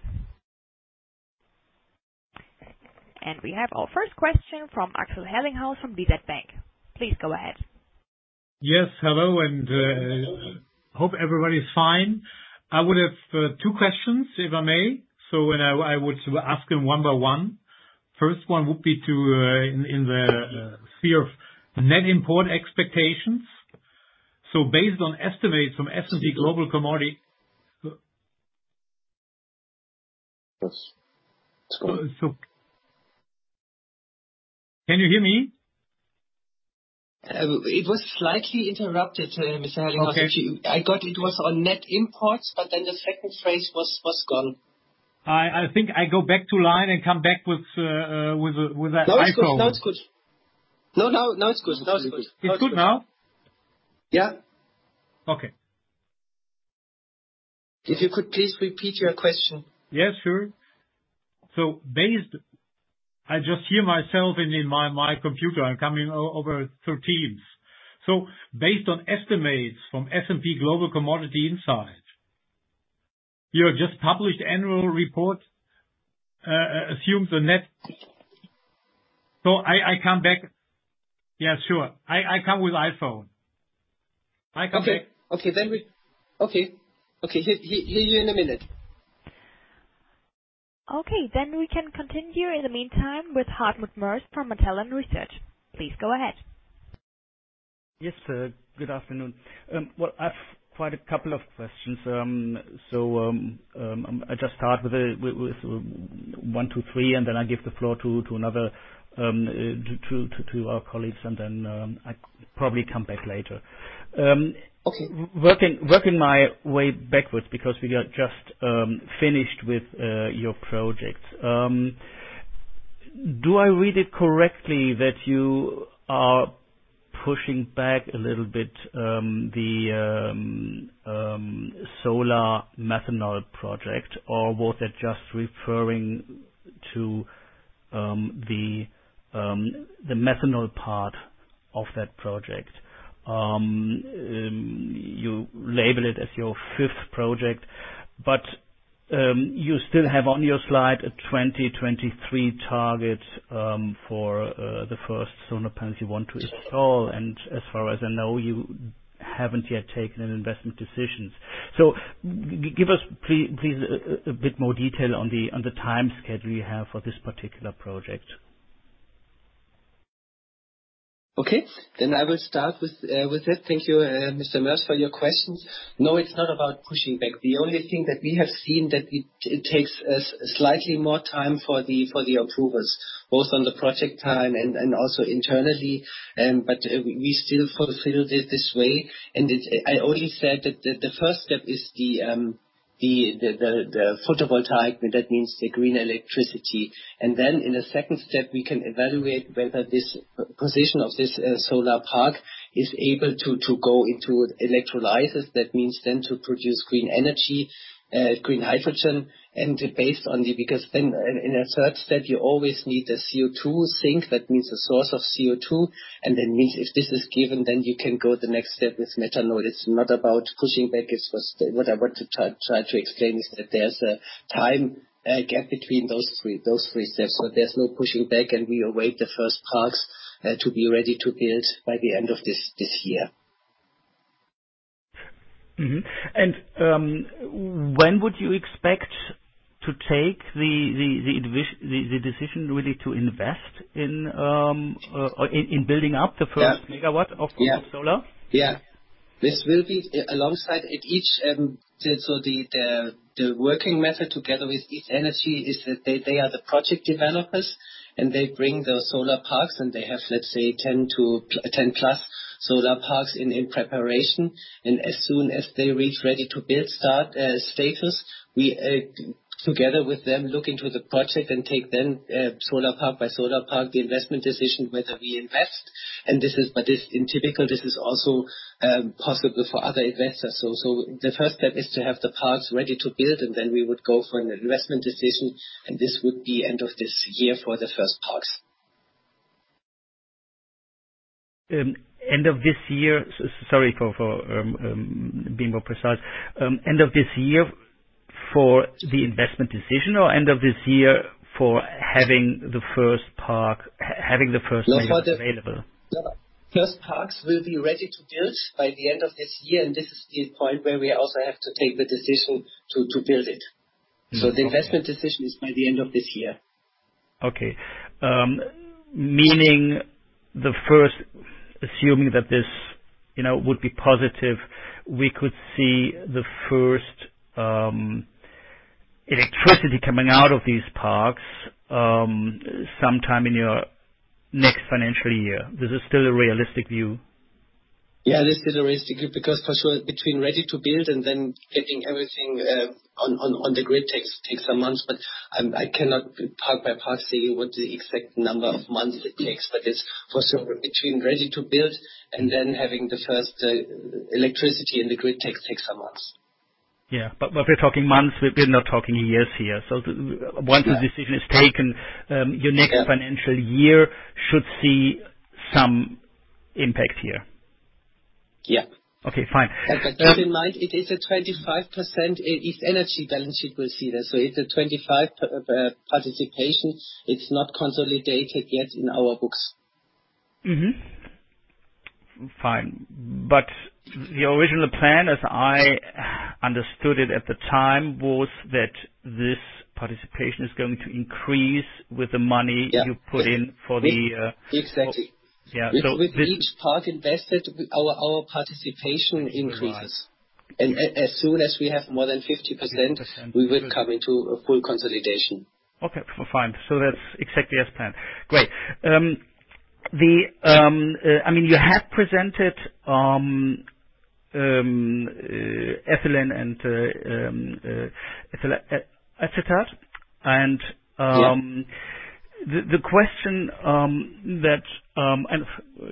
We have our first question from Axel Herlinghaus from DZ Bank. Please go ahead. Yes, hello and hope everybody is fine. I would have two questions, if I may. I would ask them one by one. First one would be to in the sphere of net import expectations. Based on estimates from S&P Global Commodity. Can you hear me? It was slightly interrupted, Mr. Herlinghaus. Okay. I got it was on net imports, but then the second phrase was gone. I think I go back to line and come back with that iPhone. No, it's good. Now it's good. No, now it's good. Now it's good. It's good now? Yeah. Okay. If you could please repeat your question. Yeah, sure. I just hear myself in my computer. I'm coming over through teams. Based on estimates from S&P Global Commodity Insights. Your just published annual report, assumes. I come back. Yeah, sure. I come with iPhone. I come back. Okay. Okay. Okay. Hear you in a minute. Okay, we can continue in the meantime with Hartmut Moers from Matelan Research. Please go ahead. Good afternoon. Well, I've quite a couple of questions. I just start with one, two, three. I give the floor to another, to our colleagues. I probably come back later. Okay. Working my way backwards because we are just finished with your projects. Do I read it correctly that you are pushing back a little bit the solar methanol project, or was that just referring to the methanol part of that project? You label it as your fifth project, but you still have on your slide a 2023 target for the first solar panels you want to install. As far as I know, you haven't yet taken any investment decisions. Give us please a bit more detail on the timescale you have for this particular project. Okay. I will start with that. Thank you, Mr. Moers, for your questions. It's not about pushing back. The only thing that we have seen that it takes us slightly more time for the approvals, both on the project time and also internally. We still fulfill it this way. I only said that the first step is the photovoltaic, and that means the green electricity. In the second step, we can evaluate whether this position of this solar park is able to go into electrolysis. That means then to produce green energy, green hydrogen, and based on the. In a third step, you always need a CO2 sink. That means a source of CO2. Means if this is given, then you can go the next step with methanol. It's not about pushing back. What I want to try to explain is that there's a time gap between those three steps. There's no pushing back, and we await the first parks to be ready to build by the end of this year. When would you expect to take the decision really to invest in, or in building up the first. Yeah. Megawatt of- Yeah. Solar? This will be alongside East Energy. The working method together with East Energy is that they are the project developers, and they bring the solar parks, and they have, let's say, 10 to 10+ solar parks in preparation. As soon as they reach ready-to-build status, we together with them look into the project and take then solar park by solar park the investment decision whether we invest. This is also possible for other investors. The first step is to have the parks ready to build, and then we would go for an investment decision, and this would be end of this year for the first parks. End of this year. Sorry for being more precise. End of this year for the investment decision or end of this year for having the first park, having the first park available. No, for the First parks will be ready to build by the end of this year. This is the point where we also have to take the decision to build it. The investment decision is by the end of this year. Meaning the first, assuming that this, you know, would be positive, we could see the first electricity coming out of these parks, sometime in your next financial year. This is still a realistic view? This is a realistic view because for sure, between ready to build and then getting everything on the grid takes some months. I cannot part by part say what the exact number of months it takes. It's for sure between ready to build and then having the first electricity in the grid takes some months. Yeah. We're talking months. We're not talking years here. Yeah. Once the decision is taken. Yeah. Your next financial year should see some impact here. Yeah. Okay, fine. Bear in mind, it is a 25% it's energy balance you will see there. It's a 25 participation. It's not consolidated yet in our books. Fine. The original plan, as I understood it at the time, was that this participation is going to increase with the money you put in for the. Exactly. Yeah. With each park invested, our participation increases. Will rise. As soon as we have more than 50%. 50%. We will come into a full consolidation. Okay, fine. That's exactly as planned. Great. I mean you have presented ethylene and ethyl acetate. Yeah. The question that, and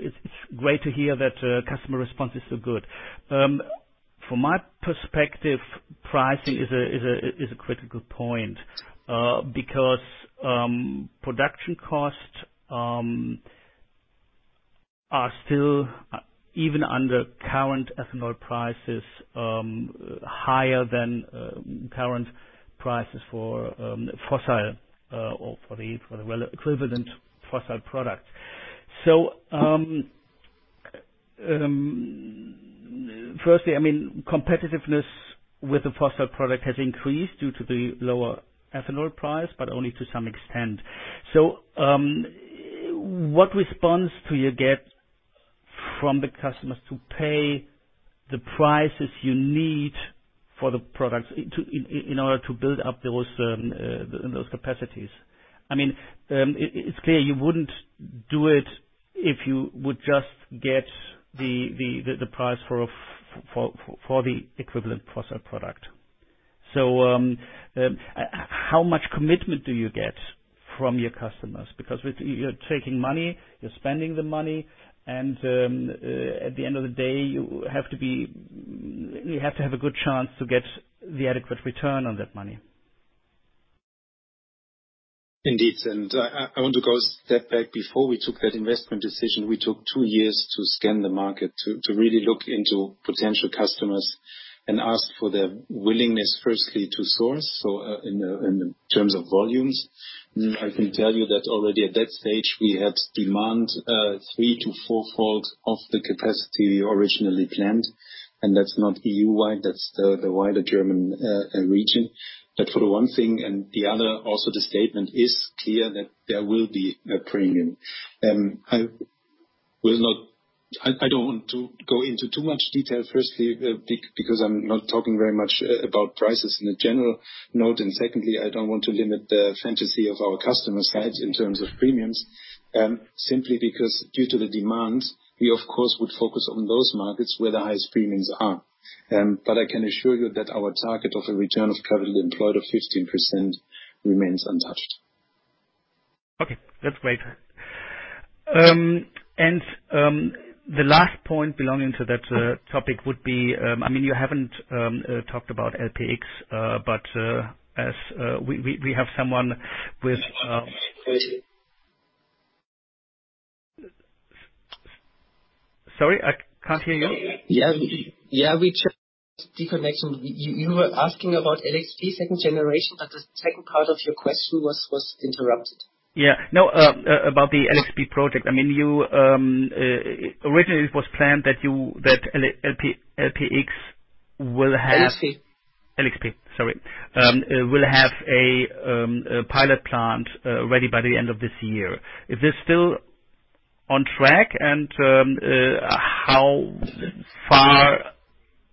it's great to hear that customer response is so good. From my perspective, pricing is a critical point because production costs are still, even under current ethanol prices, higher than current prices for fossil or for the equivalent fossil product. What response do you get from the customers to pay the prices you need for the products in order to build up those capacities? I mean, it's clear you wouldn't do it if you would just get the price for the equivalent fossil product. How much commitment do you get from your customers? With you're taking money, you're spending the money, and at the end of the day, you have to have a good chance to get the adequate return on that money. Indeed. I want to go a step back. Before we took that investment decision, we took two years to scan the market, to really look into potential customers and ask for their willingness, firstly, to source. In terms of volumes I can tell you that already at that stage, we had demand, 3-4x of the capacity originally planned. That's not EU-wide, that's the wider German region. That for the one thing, and the other, also, the statement is clear that there will be a premium. I don't want to go into too much detail, firstly, because I'm not talking very much about prices in a general note. Secondly, I don't want to limit the fantasy of our customers' heads in terms of premiums, simply because due to the demand, we of course, would focus on those markets where the highest premiums are. I can assure you that our target of a return of capital employed of 15% remains untouched. Okay, that's great. The last point belonging to that topic would be, I mean, you haven't talked about LXP, but as we have someone with- Sorry, I can't hear you. Yeah. Yeah, we just disconnection. You were asking about LXP second generation, but the second part of your question was interrupted. No, about the LXP project. I mean, you, originally it was planned that you, that LPX. LXP. LXP, sorry. Will have a pilot plant ready by the end of this year. Is this still on track and how far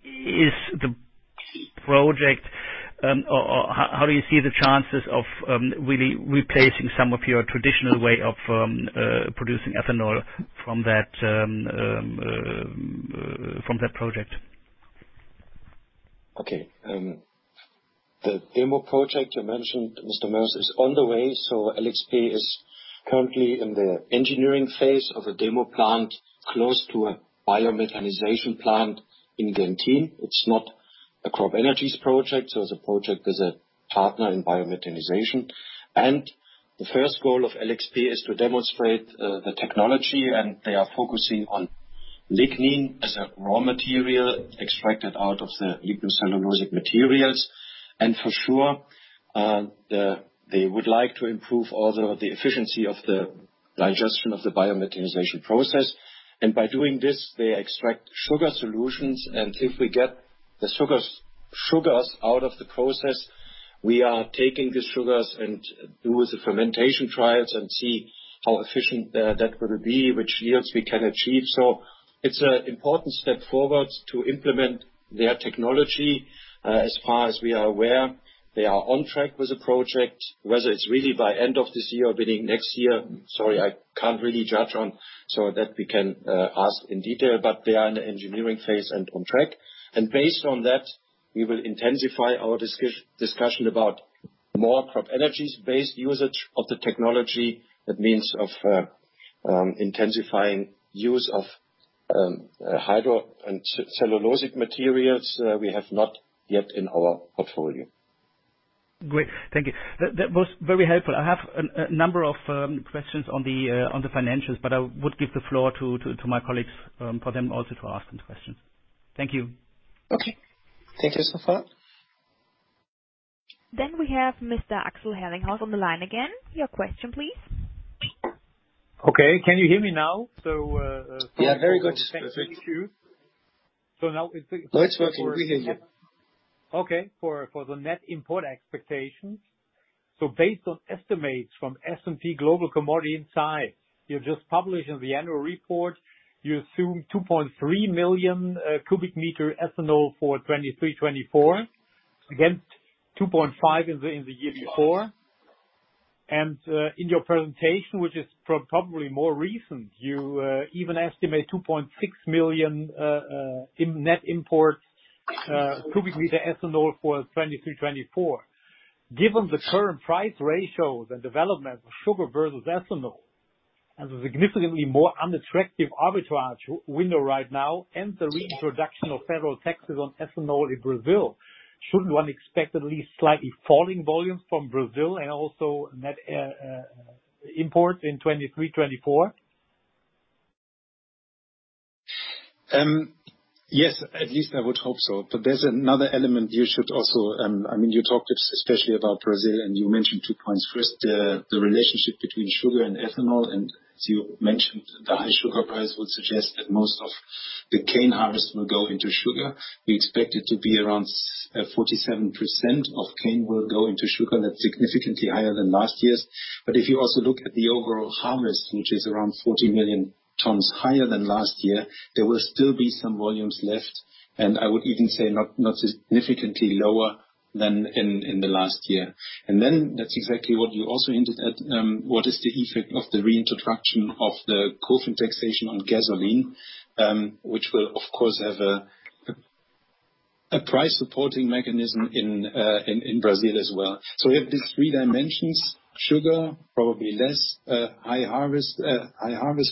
is the project or how do you see the chances of really replacing some of your traditional way of producing ethanol from that project? Okay. The demo project you mentioned, Mr. Meeder, is on the way. LXP is currently in the engineering phase of a demo plant close to a biomethanation plant in Genthin. It's not a CropEnergies project. The project is a partner in biomethanation. The first goal of LXP is to demonstrate the technology, and they are focusing on lignin as a raw material extracted out of the lignocellulosic materials. For sure, they would like to improve all the efficiency of the digestion of the biomethanation process. By doing this, they extract sugar solutions. If we get the sugars out of the process, we are taking the sugars and do the fermentation trials and see how efficient that would be, which yields we can achieve. It's an important step forward to implement their technology. As far as we are aware, they are on track with the project, whether it's really by end of this year, beginning of next year, sorry, I can't really judge on so that we can ask in detail, but they are in the engineering phase and on track. Based on that, we will intensify our discussion about more CropEnergies-based usage of the technology. That means of intensifying use of hydro and cellulosic materials we have not yet in our portfolio. Great, thank you. That was very helpful. I have a number of questions on the financials, but I would give the floor to my colleagues for them also to ask some questions. Thank you. Okay. Thank you so far. We have Mr. Axel Herlinghaus on the line again. Your question, please. Okay. Can you hear me now? Yeah, very good. Thank you. Now it's working. We hear you. Okay. For the net import expectations. Based on estimates from S&P Global Commodity Insights, you've just published in the annual report, you assume 2.3 million cubic meter ethanol for 2023-2024 against 2.5 in the year before. In your presentation, which is probably more recent, you even estimate 2.6 million in net imports, cubic meter ethanol for 2023-2024. Given the current price ratios and development of sugar versus ethanol, and the significantly more unattractive arbitrage window right now and the reintroduction of federal taxes on ethanol in Brazil, shouldn't one expect at least slightly falling volumes from Brazil and also net import in 2023-2024? Yes, at least I would hope so. There's another element you should also, I mean, you talked especially about Brazil, and you mentioned two points. First, the relationship between sugar and ethanol, and as you mentioned, the high sugar price would suggest that most of the cane harvest will go into sugar. We expect it to be around 47% of cane will go into sugar, and that's significantly higher than last year's. If you also look at the overall harvest, which is around 40 million tons higher than last year, there will still be some volumes left, and I would even say not significantly lower than in the last year. That's exactly what you also hinted at, what is the effect of the reintroduction of the COFINS taxation on gasoline, which will of course have a price supporting mechanism in Brazil as well. We have these three dimensions: sugar, probably less; high harvest,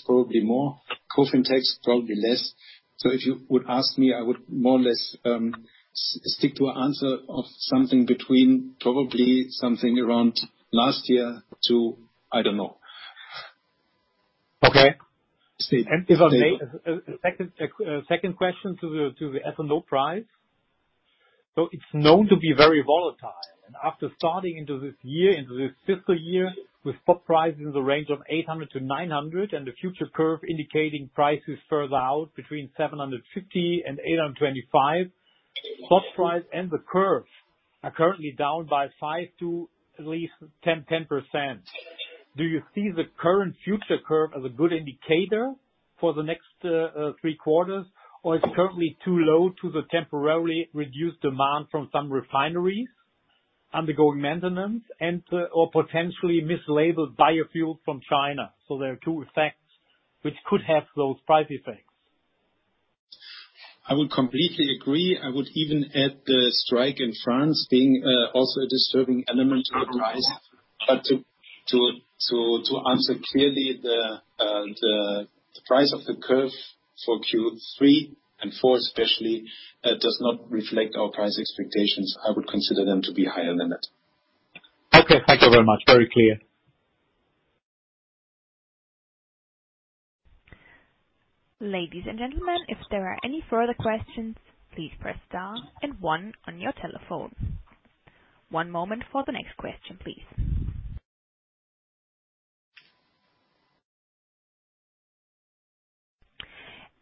probably more; COFINS tax, probably less. If you would ask me, I would more or less stick to a answer of something between probably something around last year to I don't know. Okay. Steve. If I may, a second question to the ethanol price. It's known to be very volatile, and after starting into this year, into this fiscal year, with spot price in the range of 800-900 and the future curve indicating prices further out between 750-825, spot price and the curve are currently down by 5% to at least 10%. Do you see the current future curve as a good indicator for the next three quarters, or it's currently too low to the temporarily reduced demand from some refineries undergoing maintenance and or potentially mislabeled biofuel from China? There are two effects which could have those price effects. I would completely agree. I would even add the strike in France being also a disturbing element to the price. To answer clearly the price of the curve for Q3 and Q4 especially does not reflect our price expectations. I would consider them to be higher than that. Okay, thank you very much. Very clear. Ladies and gentlemen, if there are any further questions, please press star and one on your telephone. One moment for the next question, please.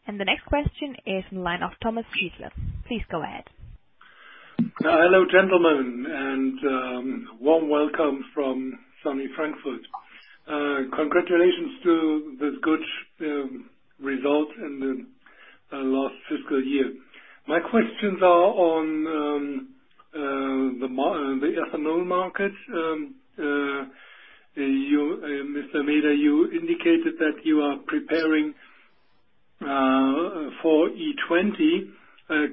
The next question is in line of Thomas Schiessle Please go ahead. Hello, gentlemen, warm welcome from sunny Frankfurt. Congratulations to this good result in the last fiscal year. My questions are on the ethanol market. You, Mr. Meeder, you indicated that you are preparing for E20.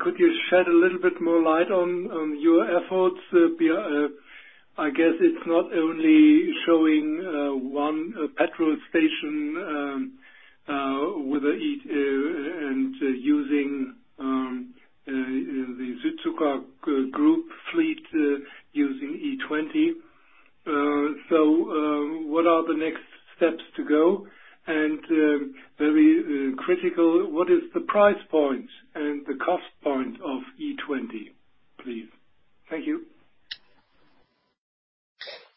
Could you shed a little bit more light on your efforts, I guess it's not only showing one petrol station with a E- and using the Südzucker Group fleet using E20. What are the next steps to go? Very critical, what is the price point and the cost point of E20, please? Thank you.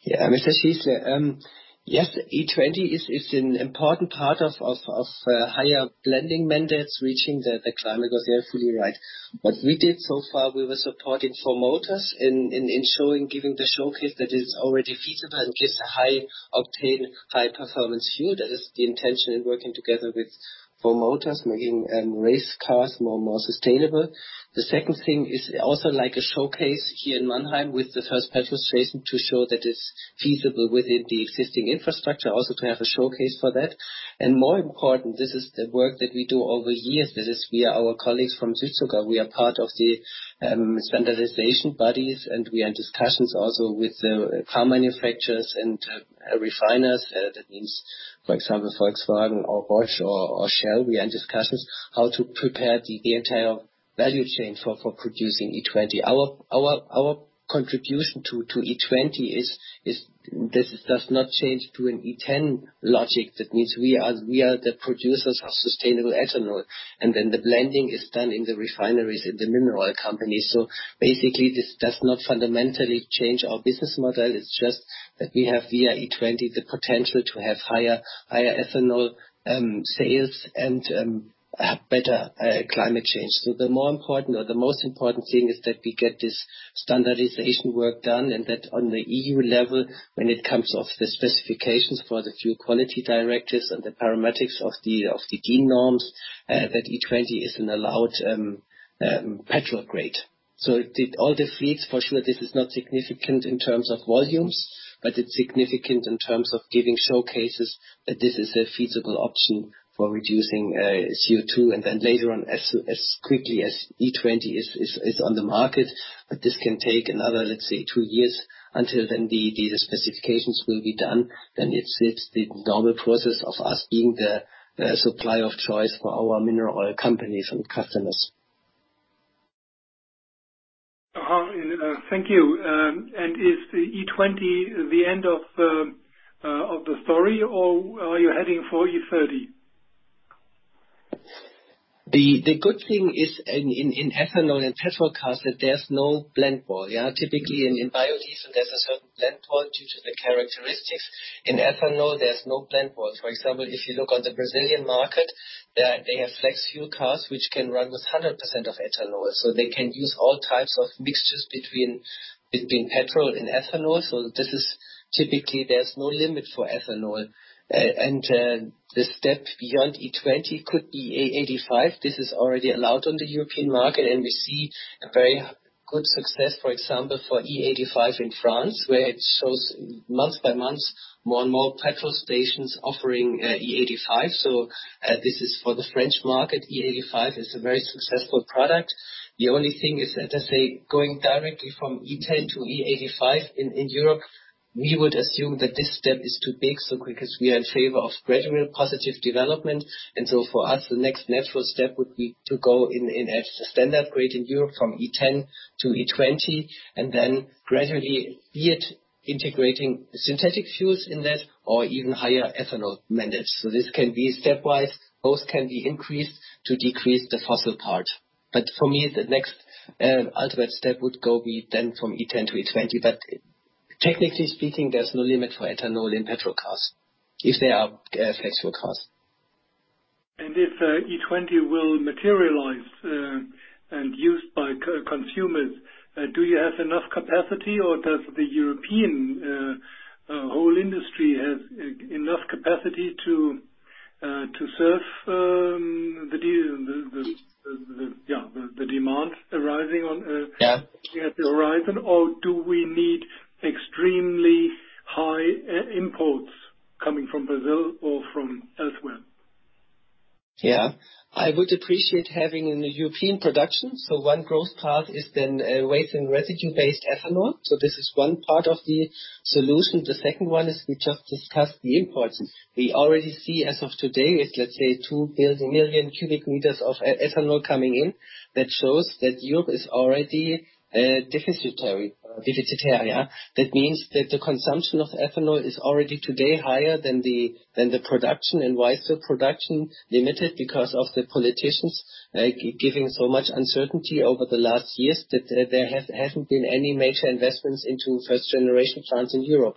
Yeah. Mr. Schiessle, yes, E20 is an important part of higher blending mandates reaching the climate goals. You are absolutely right. What we did so far, we were supporting Four Motors in showing, giving the showcase that is already feasible and gives a high octane, high performance yield. That is the intention in working together with Four Motors, making race cars more and more sustainable. The second thing is also like a showcase here in Mannheim with the first petrol station to show that it's feasible within the existing infrastructure also to have a showcase for that. More important, this is the work that we do over years. This is via our colleagues from Südzucker. We are part of the standardization bodies, and we are in discussions also with the car manufacturers and refiners. That means, for example, Volkswagen or Bosch or Shell. We are in discussions how to prepare the entire value chain for producing E20. Our contribution to E20 is this does not change to an E10 logic. Means we are the producers of sustainable ethanol, and then the blending is done in the refineries in the mineral oil companies. Basically this does not fundamentally change our business model. It's just that we have via E20 the potential to have higher ethanol sales and a better climate change. The more important or the most important thing is that we get this standardization work done and that on the EU level, when it comes of the specifications for the Fuel Quality Directive and the parametrics of the CEN norms, that E20 is an allowed petrol grade. All the fleets, for sure, this is not significant in terms of volumes, but it's significant in terms of giving showcases that this is a feasible option for reducing CO2 and then later on as quickly as E20 is on the market. This can take another, let's say, two years until then the specifications will be done. It's the normal process of us being the supplier of choice for our mineral oil companies and customers. Thank you. Is E20 the end of the story or are you heading for E30? The good thing is in ethanol and petrol cars that there's no blend wall. Typically, in biodiesel, there's a certain blend wall due to the characteristic. In ethanol, there's no blend wall. For example, if you look on the Brazilian market, they have flex fuel cars which can run with 100% of ethanol. They can use all types of mixtures between petrol and ethanol. This is typically, there's no limit for ethanol. The step beyond E20 could be E85. This is already allowed on the European market, and we see a very good success, for example, for E85 in France, where it shows month by month more and more petrol stations offering E85. This is for the French market. E85 is a very successful product. The only thing is that, let's say, going directly from E10 to E85 in Europe, we would assume that this step is too big, because we are in favor of gradual positive development. For us, the next natural step would be to go in a standard grade in Europe from E10 to E20, and then gradually be it integrating synthetic fuels in this or even higher ethanol mandates. This can be stepwise. Both can be increased to decrease the fossil part. For me, the next ultimate step would go be then from E10 to E20. Technically speaking, there's no limit for ethanol in petrol cars if they are flex fuel cars. If E20 will materialize and used by co-consumers, do you have enough capacity or does the European whole industry has enough capacity to serve the demand arising on? Yeah. At the horizon or do we need extremely high imports coming from Brazil or from elsewhere? I would appreciate having a European production. One growth path is then waste and residue-based ethanol. This is one part of the solution. The second one is we just discussed the imports. We already see as of today, let's say, 2 million cubic meters of e-ethanol coming in. That shows that Europe is already deficitary. That means that the consumption of ethanol is already today higher than the production. Why is the production limited? Because of the politicians giving so much uncertainty over the last years that there hasn't been any major investments into first-generation plants in Europe.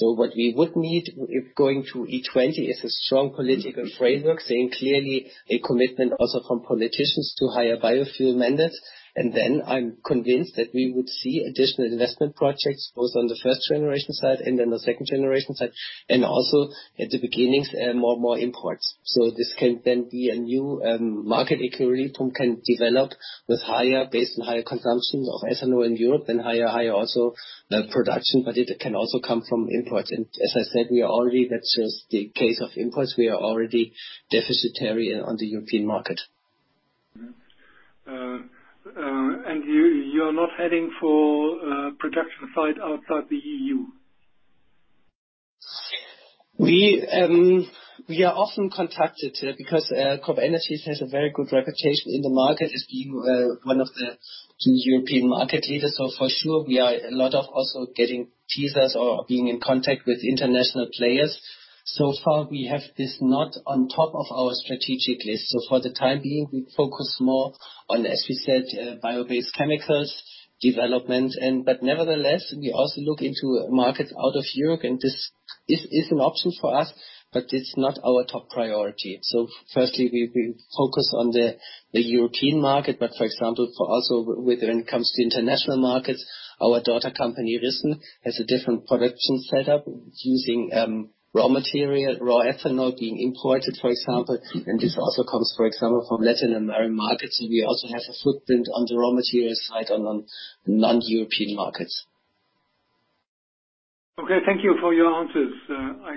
What we would need if going to E20 is a strong political framework, saying clearly a commitment also from politicians to higher biofuel mandates. I'm convinced that we would see additional investment projects, both on the first generation side and then the second generation side, and also at the beginnings, more and more imports. This can then be a new market equilibrium can develop with higher base and higher consumption of ethanol in Europe and higher also production, but it can also come from imports. As I said, we are already, that's just the case of imports. We are already deficitary on the European market. You, you're not heading for a production site outside the EU? We are often contacted because CropEnergies has a very good reputation in the market as being one of the European market leaders. For sure, we are a lot of also getting teasers or being in contact with international players. Far, we have this not on top of our strategic list. For the time being, we focus more on, as we said, bio-based chemicals development. Nevertheless, we also look into markets out of Europe, and this is an option for us, but it's not our top priority. Firstly, we focus on the European market. For example, for also when it comes to international markets, our daughter company, Ryssen, has a different production setup. It's using raw material, raw ethanol being imported, for example. This also comes, for example, from Latin American markets. We also have a footprint on the raw material side on non-European markets. Okay, thank you for your answers. I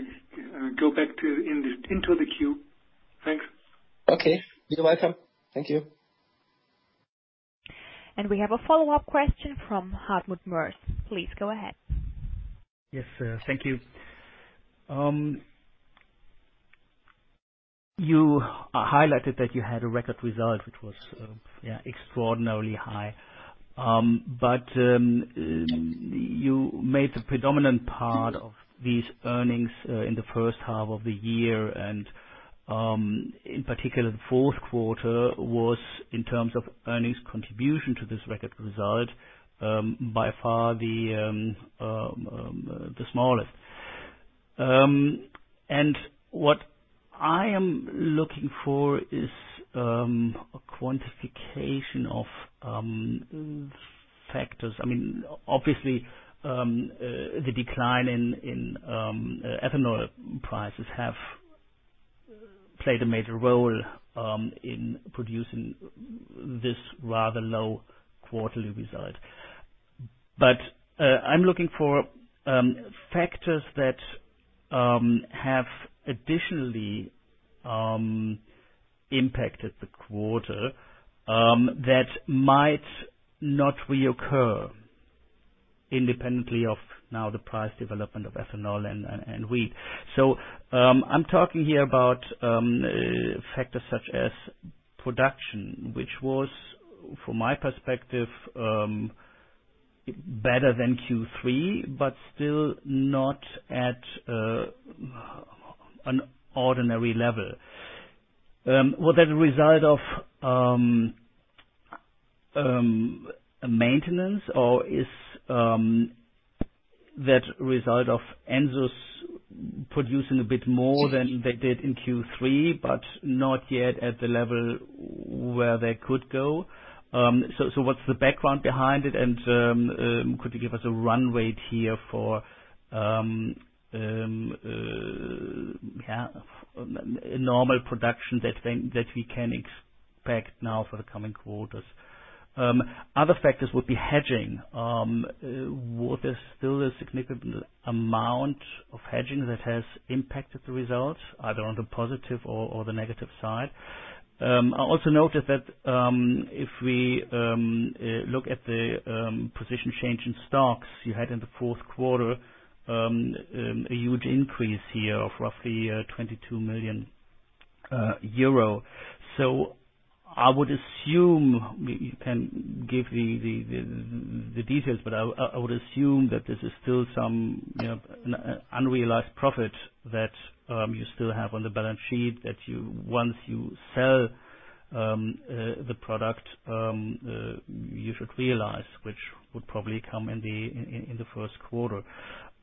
go back into the queue. Thanks. Okay. You're welcome. Thank you. We have a follow-up question from Hartmut Moers. Please go ahead. Yes, thank you. You highlighted that you had a record result, which was, yeah, extraordinarily high. You made the predominant part of these earnings in the first half of the year. In particular, the fourth quarter was, in terms of earnings contribution to this record result, by far the smallest. What I am looking for is a quantification of factors. I mean, obviously, the decline in ethanol prices have played a major role in producing this rather low quarterly result. I'm looking for factors that have additionally impacted the quarter that might not reoccur. Independently of now the price development of ethanol and wheat. I'm talking here about factors such as production, which was, from my perspective, better than Q3, but still not at an ordinary level. Was that a result of maintenance or is that result of Ensus producing a bit more than they did in Q3, but not yet at the level where they could go? What's the background behind it, and could you give us a run rate here for a normal production that we can expect now for the coming quarters? Other factors would be hedging. Was there still a significant amount of hedging that has impacted the results either on the positive or the negative side? I also noted that if we look at the position change in stocks you had in the fourth quarter, a huge increase here of roughly 22 million euro. I would assume, you can give the details, but I would assume that this is still some, you know, unrealized profit that you still have on the balance sheet that once you sell the product, you should realize, which would probably come in the first quarter.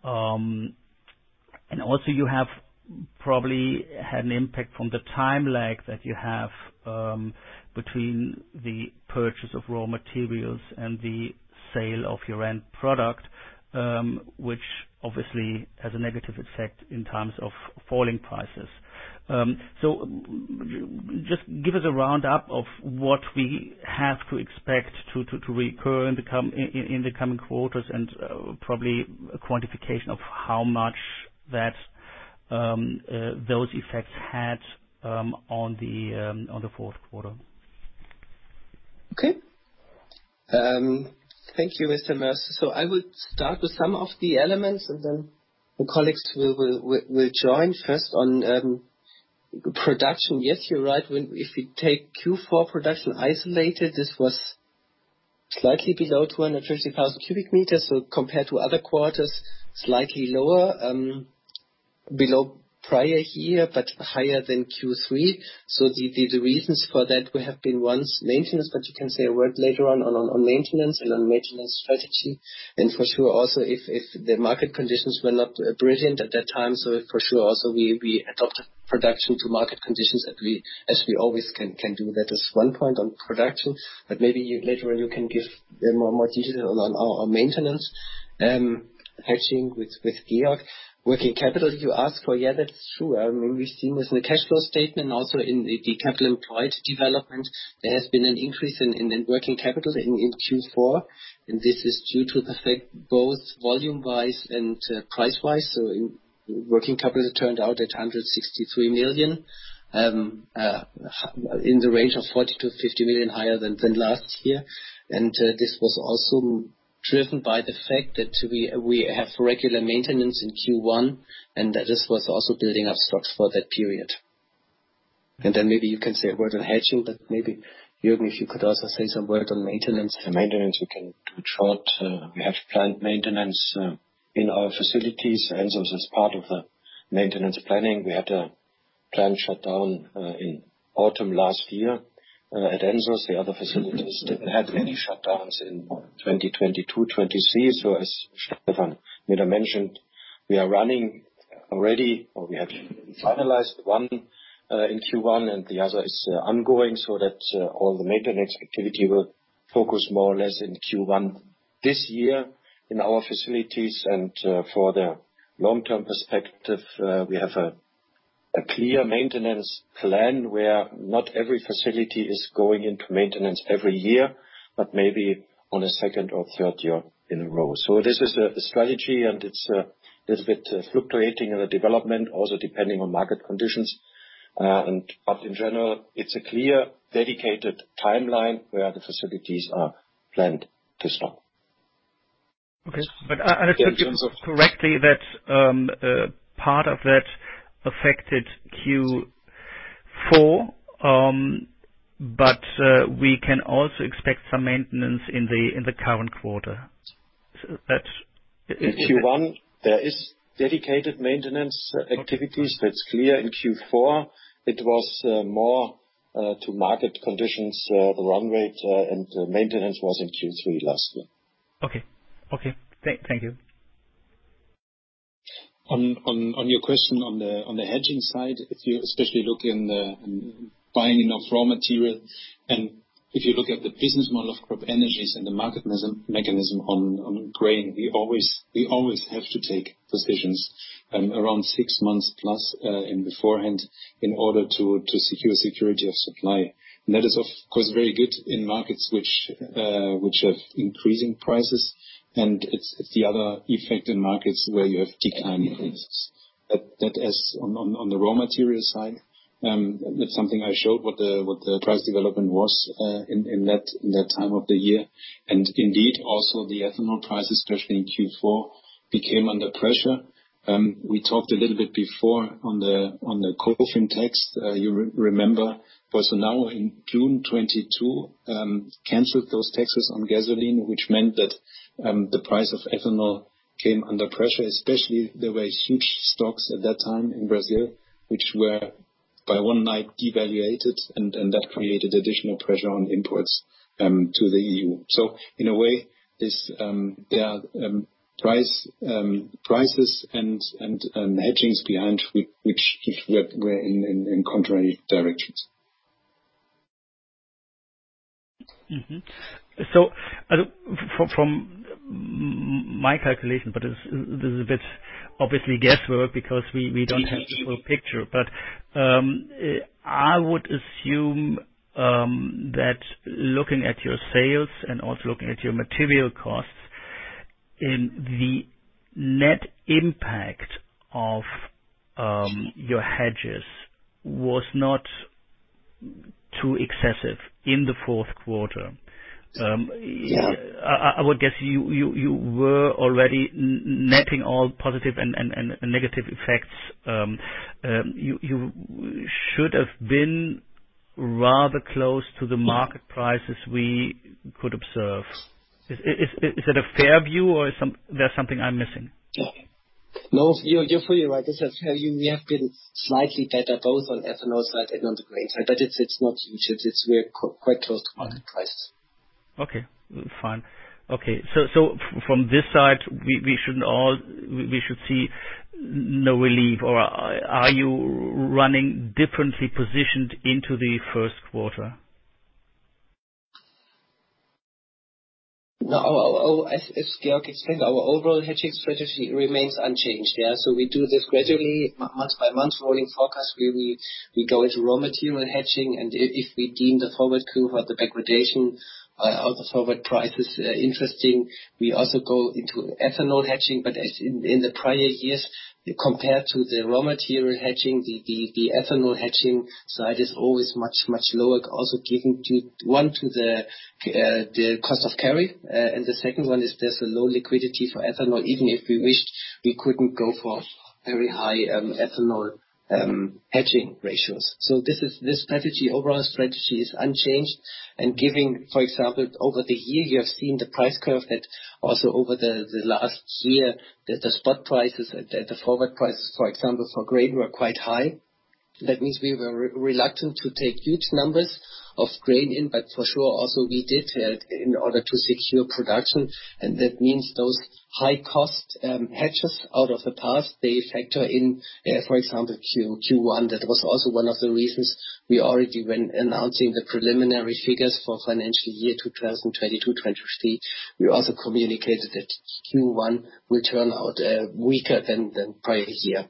And also you have probably had an impact from the time lag that you have between the purchase of raw materials and the sale of your end product, which obviously has a negative effect in terms of falling prices. Just give us a roundup of what we have to expect to recur in the coming quarters and, probably a quantification of how much that those effects had on the fourth quarter. Okay. Thank you, Mr. Moers. I would start with some of the elements, and then my colleagues will join first on production. Yes, you're right. If you take Q4 production isolated, this was slightly below 230,000 cubic meters, so compared to other quarters, slightly lower, below prior year, but higher than Q3. The reasons for that would have been, one, maintenance, but you can say a word later on maintenance and on maintenance strategy. For sure also if the market conditions were not brilliant at that time. For sure also we adopted production to market conditions as we always can do. That is one point on production, but maybe you later you can give more details on our maintenance patching with Georg. Working capital you ask for. That's true. We've seen this in the cash flow statement, also in the capital employed development. There has been an increase in working capital in Q4, and this is due to the fact both volume-wise and price-wise. In working capital, it turned out at 163 million in the range of 40 million-50 million higher than last year. This was also driven by the fact that we have regular maintenance in Q1, and that this was also building up stocks for that period. Maybe you can say a word on hedging, but maybe, Jürgen, if you could also say some word on maintenance. The maintenance we can do it short. We have planned maintenance in our facilities. Ensus is part of the maintenance planning. We had a planned shutdown in autumn last year at Ensus. The other facilities didn't have any shutdowns in 2020-2023. As Stephan Meeder mentioned, we are running already or we have finalized one in Q1 and the other is ongoing so that all the maintenance activity will focus more or less in Q1 this year in our facilities. For the long-term perspective, we have a clear maintenance plan where not every facility is going into maintenance every year, but maybe on a second or third year in a row. This is a strategy and it's a little bit fluctuating in the development, also depending on market conditions. In general, it's a clear, dedicated timeline where the facilities are planned to stop. Okay. I take it correctly that part of that affected Q4, but we can also expect some maintenance in the current quarter. In Q1 there is dedicated maintenance activities. That's clear. In Q4 it was more to market conditions, the run rate, and maintenance was in Q3 last year. Okay. Thank you. On your question on the hedging side, if you especially look in the buying enough raw material and if you look at the business model of CropEnergies and the mechanism on grain, we always have to take positions around six months plus in beforehand in order to secure security of supply. That is, of course, very good in markets which have increasing prices, and it's the other effect in markets where you have declining prices. That is on the raw material side, that's something I showed what the price development was in that time of the year. Indeed also the ethanol prices, especially in Q4, became under pressure. We talked a little bit before on the COVID tax. You remember, was now in June 2022, canceled those taxes on gasoline, which meant that the price of ethanol came under pressure, especially there were huge stocks at that time in Brazil, which were by one night devaluated, and that created additional pressure on imports to the EU. In a way, this, there are prices and hedgings behind which were in contrary directions. From my calculation, but it's, this is a bit obviously guesswork because we don't have the full picture. I would assume that looking at your sales and also looking at your material costs in the net impact of your hedges was not too excessive in the fourth quarter. I would guess you were already netting all positive and negative effects. You should have been rather close to the market prices we could observe. Is that a fair view or is there's something I'm missing? No, you're fully right. As I tell you, we have been slightly better both on ethanol side and on the grain side. It's not huge. It's very quite close to market prices. Okay. Fine. Okay. From this side, we should see no relief or are you running differently positioned into the first quarter? As Georg explained, our overall hedging strategy remains unchanged, yeah? We do this gradually month by month rolling forecast, where we go into raw material hedging and if we deem the forward curve or the degradation of the forward prices interesting, we also go into ethanol hedging. As in the prior years, compared to the raw material hedging, the ethanol hedging side is always much, much lower. Given to the cost of carry. The second one is there's a low liquidity for ethanol. Even if we wished, we couldn't go for very high ethanol hedging ratios. This strategy, overall strategy is unchanged. Giving, for example, over the year, you have seen the price curve that also over the last year, the spot prices at the forward prices, for example, for grain were quite high. That means we were reluctant to take huge numbers of grain in, but for sure also we did in order to secure production, and that means those high cost hedges out of the past, they factor in, for example, Q1. That was also one of the reasons we already when announcing the preliminary figures for financial year 2022/2023, we also communicated that Q1 will turn out weaker than the prior year.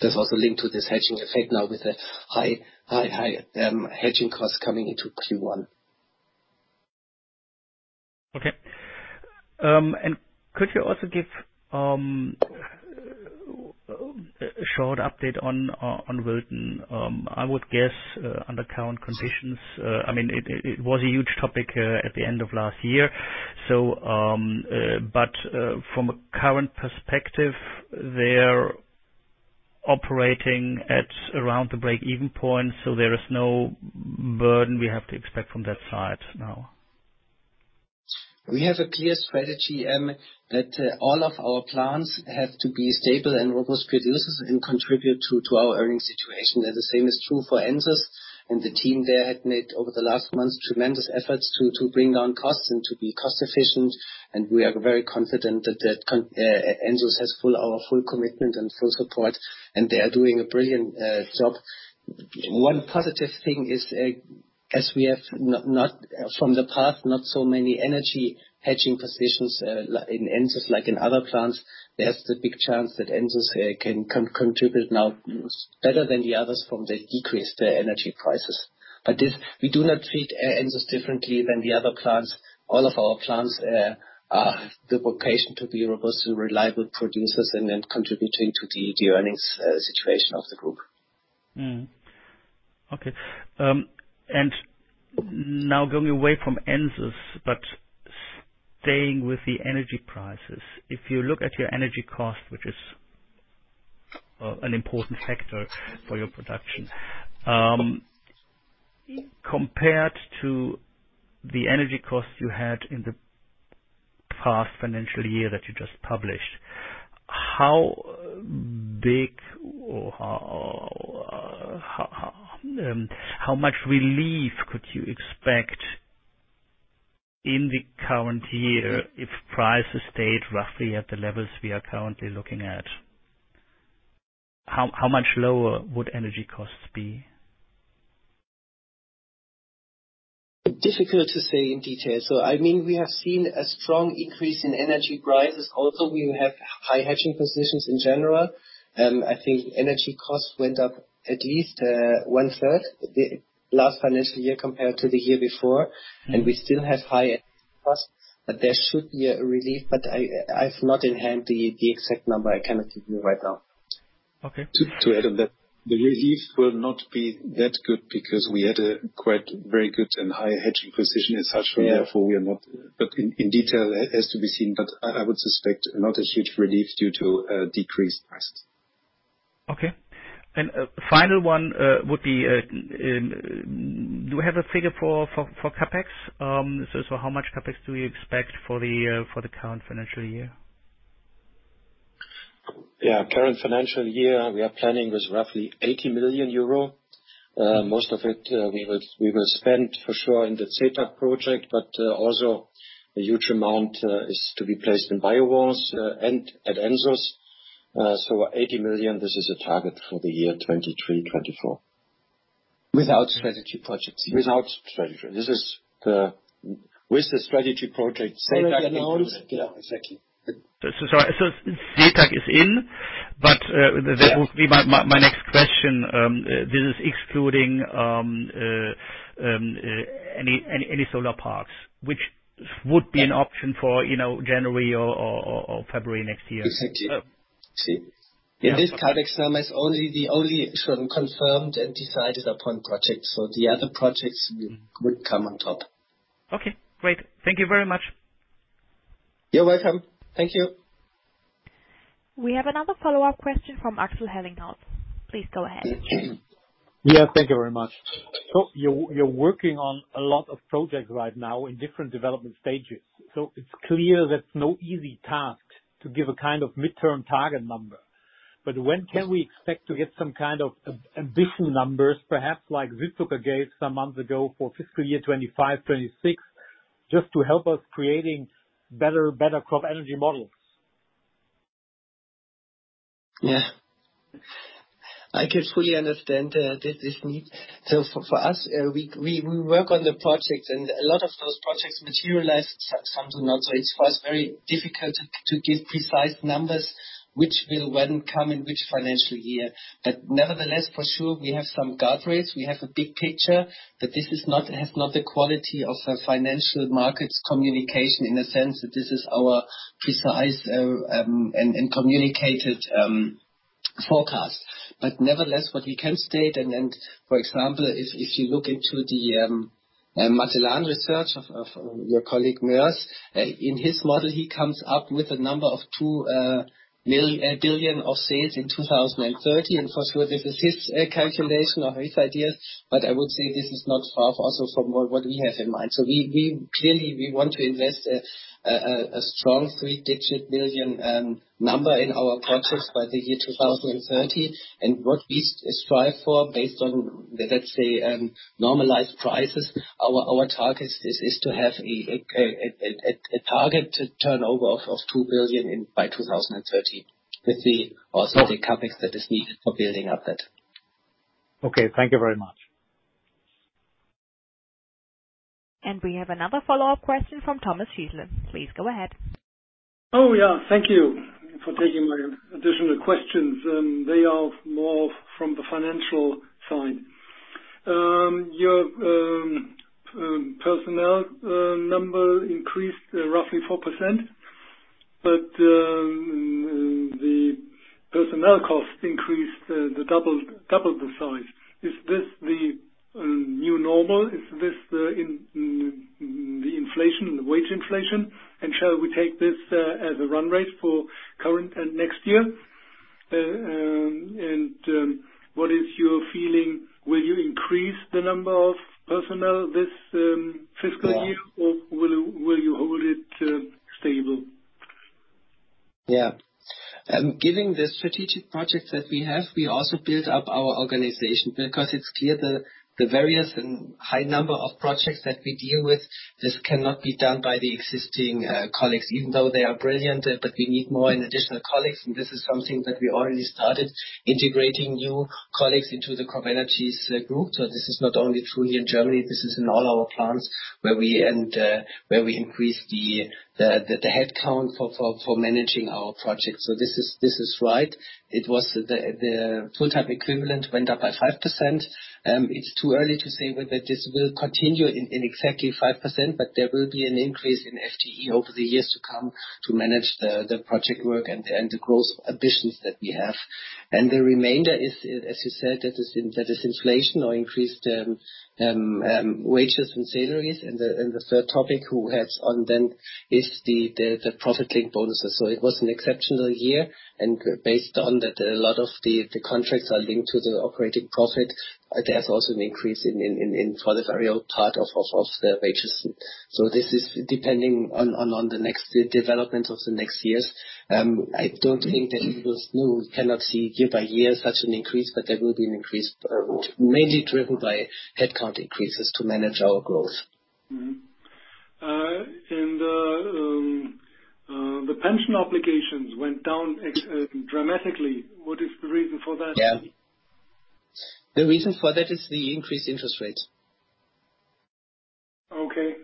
That's also linked to this hedging effect now with the high hedging costs coming into Q1. Okay. Could you also give a short update on Wilton? I would guess, under current conditions, I mean, it was a huge topic at the end of last year. From a current perspective, they're operating at around the break-even point, so there is no burden we have to expect from that side now. We have a clear strategy that all of our plants have to be stable and robust producers and contribute to our earning situation. The same is true for Ensus and the team there had made over the last months, tremendous efforts to bring down costs and to be cost efficient. We are very confident that Ensus has our full commitment and full support, and they are doing a brilliant job. One positive thing is as we have not from the past, not so many energy hedging positions like in Ensus, like in other plants, there's the big chance that Ensus can contribute now better than the others from the decrease the energy prices. This we do not treat Ensus differently than the other plants. All of our plants are the vocation to be robust and reliable producers and contributing to the earnings situation of the group. Okay. Now going away from Ensus, but staying with the energy prices. If you look at your energy cost, which is an important factor for your production. Compared to the energy costs you had in the past financial year that you just published, how big or how much relief could you expect in the current year if prices stayed roughly at the levels we are currently looking at? How much lower would energy costs be? Difficult to say in detail. I mean, we have seen a strong increase in energy prices. We have high hedging positions in general. I think energy costs went up at least one-third the last financial year compared to the year before. We still have high energy. There should be a relief, I've not in hand the exact number. I cannot give you right now. Okay. To add on that, the relief will not be that good because we had a quite very good and high hedging position. Yeah. Therefore, we are not. In detail it has to be seen, but I would suspect not a huge relief due to decreased prices. Okay. final one, would be, do you have a figure for CapEx? How much CapEx do we expect for the current financial year? Yeah. Current financial year, we are planning with roughly eighty million euro. Uh, most of it, uh, we will, we will spend for sure in the Zeitz project, but, also a huge amount is to be placed in BioWanze, uh, and at Ensus. Uh, so eighty million, this is a target for the year 2023, 2024. Without strategy projects. Without strategy. With the strategy project Zeitz in- Already announced. Yeah, exactly. Sorry. Zeitz is in, but that would be my next question. This is excluding any solar parks, which would be an option for, you know, January or February next year. Exactly. See, in this only the only sort of confirmed and decided-upon projects. The other projects would come on top. Okay, great. Thank you very much. You're welcome. Thank you. We have another follow-up question from Axel Herlinghaus. Please go ahead. Yeah, thank you very much. You're working on a lot of projects right now in different development stages. It's clear that's no easy task to give a kind of midterm target number. When can we expect to get some kind of ambition numbers, perhaps like gave some months ago for fiscal year 2025, 2026, just to help us creating better CropEnergies models? Yeah. I can fully understand, this need. For us, we work on the project and a lot of those projects materialize, some do not. It's for us very difficult to give precise numbers which will when come in which financial year. Nevertheless, for sure, we have some guard rails. We have a big picture, but this is not, has not the quality of a financial markets communication in the sense that this is our precise, and communicated forecast. Nevertheless, what we can state, and then, for example, if you look into the Matelan Research of your colleague, Moers, in his model, he comes up with a number of 2 billion of sales in 2030. For sure, this is his calculation or his ideas, but I would say this is not far also from what we have in mind. We clearly we want to invest a strong three-digit billion number in our projects by the year 2030. What we strive for based on, let's say, normalized prices, our target is to have a target turnover of 2 billion in by 2030 with also the CapEx that is needed for building up that. Okay, thank you very much. We have another follow-up question from Thomas Schiessle. Please go ahead. Oh, yeah. Thank you for taking my additional questions. They are more from the financial side. Your personnel number increased roughly 4%, but the personnel costs increased the double the size. Is this the new normal? Is this the inflation, the wage inflation? Shall we take this as a run rate for current and next year? What is your feeling? Will you increase the number of personnel this fiscal year will you hold it stable? Given the strategic projects that we have, we also build up our organization because it's clear the various and high number of projects that we deal with, this cannot be done by the existing colleagues, even though they are brilliant. We need more and additional colleagues. This is something that we already started integrating new colleagues into the CropEnergies group. This is not only true here in Germany. This is in all our plants where we increase the headcount for managing our projects. This is right. The full-time equivalent went up by 5%. It's too early to say that this will continue in exactly 5%, but there will be an increase in FTE over the years to come to manage the project work and the growth ambitions that we have. The remainder is, as you said, that is inflation or increased wages and salaries. The third topic who has on them is the profit link bonuses. It was an exceptional year, and based on that, a lot of the contracts are linked to the operating profit. There's also an increase for the variable part of the wages. This is depending on the next developments of the next years. I don't think that it was new. We cannot see year by year such an increase, but there will be an increase, mainly driven by headcount increases to manage our growth. The pension obligations went down dramatically. What is the reason for that? Yeah. The reason for that is the increased interest rates. Okay.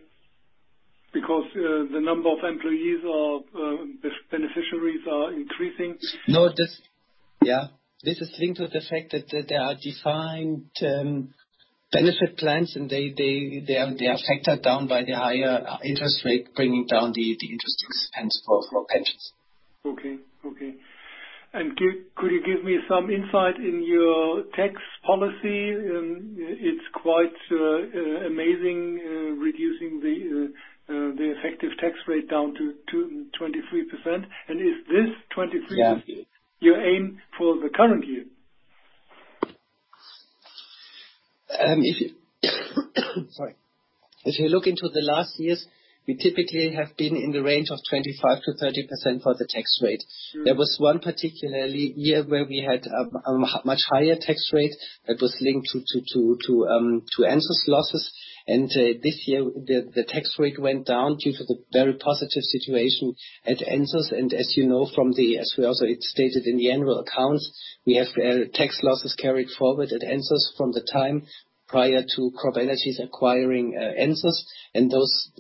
Because the number of employees or the beneficiaries are increasing? No. Yeah. This is linked to the fact that there are defined benefit plans and they are factored down by the higher interest rate, bringing down the interest expense for pensions. Okay. Could you give me some insight in your tax policy? It's quite amazing reducing the effective tax rate down to 23%. Is this 2023 your aim for the current year? If you Sorry. If you look into the last years, we typically have been in the range of 25%-30% for the tax rate. There was one particular year where we had a much higher tax rate that was linked to Ensus losses. This year the tax rate went down due to the very positive situation at Ensus. As you know from as we also stated in the annual accounts, we have tax losses carried forward at Ensus from the time prior to CropEnergies acquiring Ensus. Those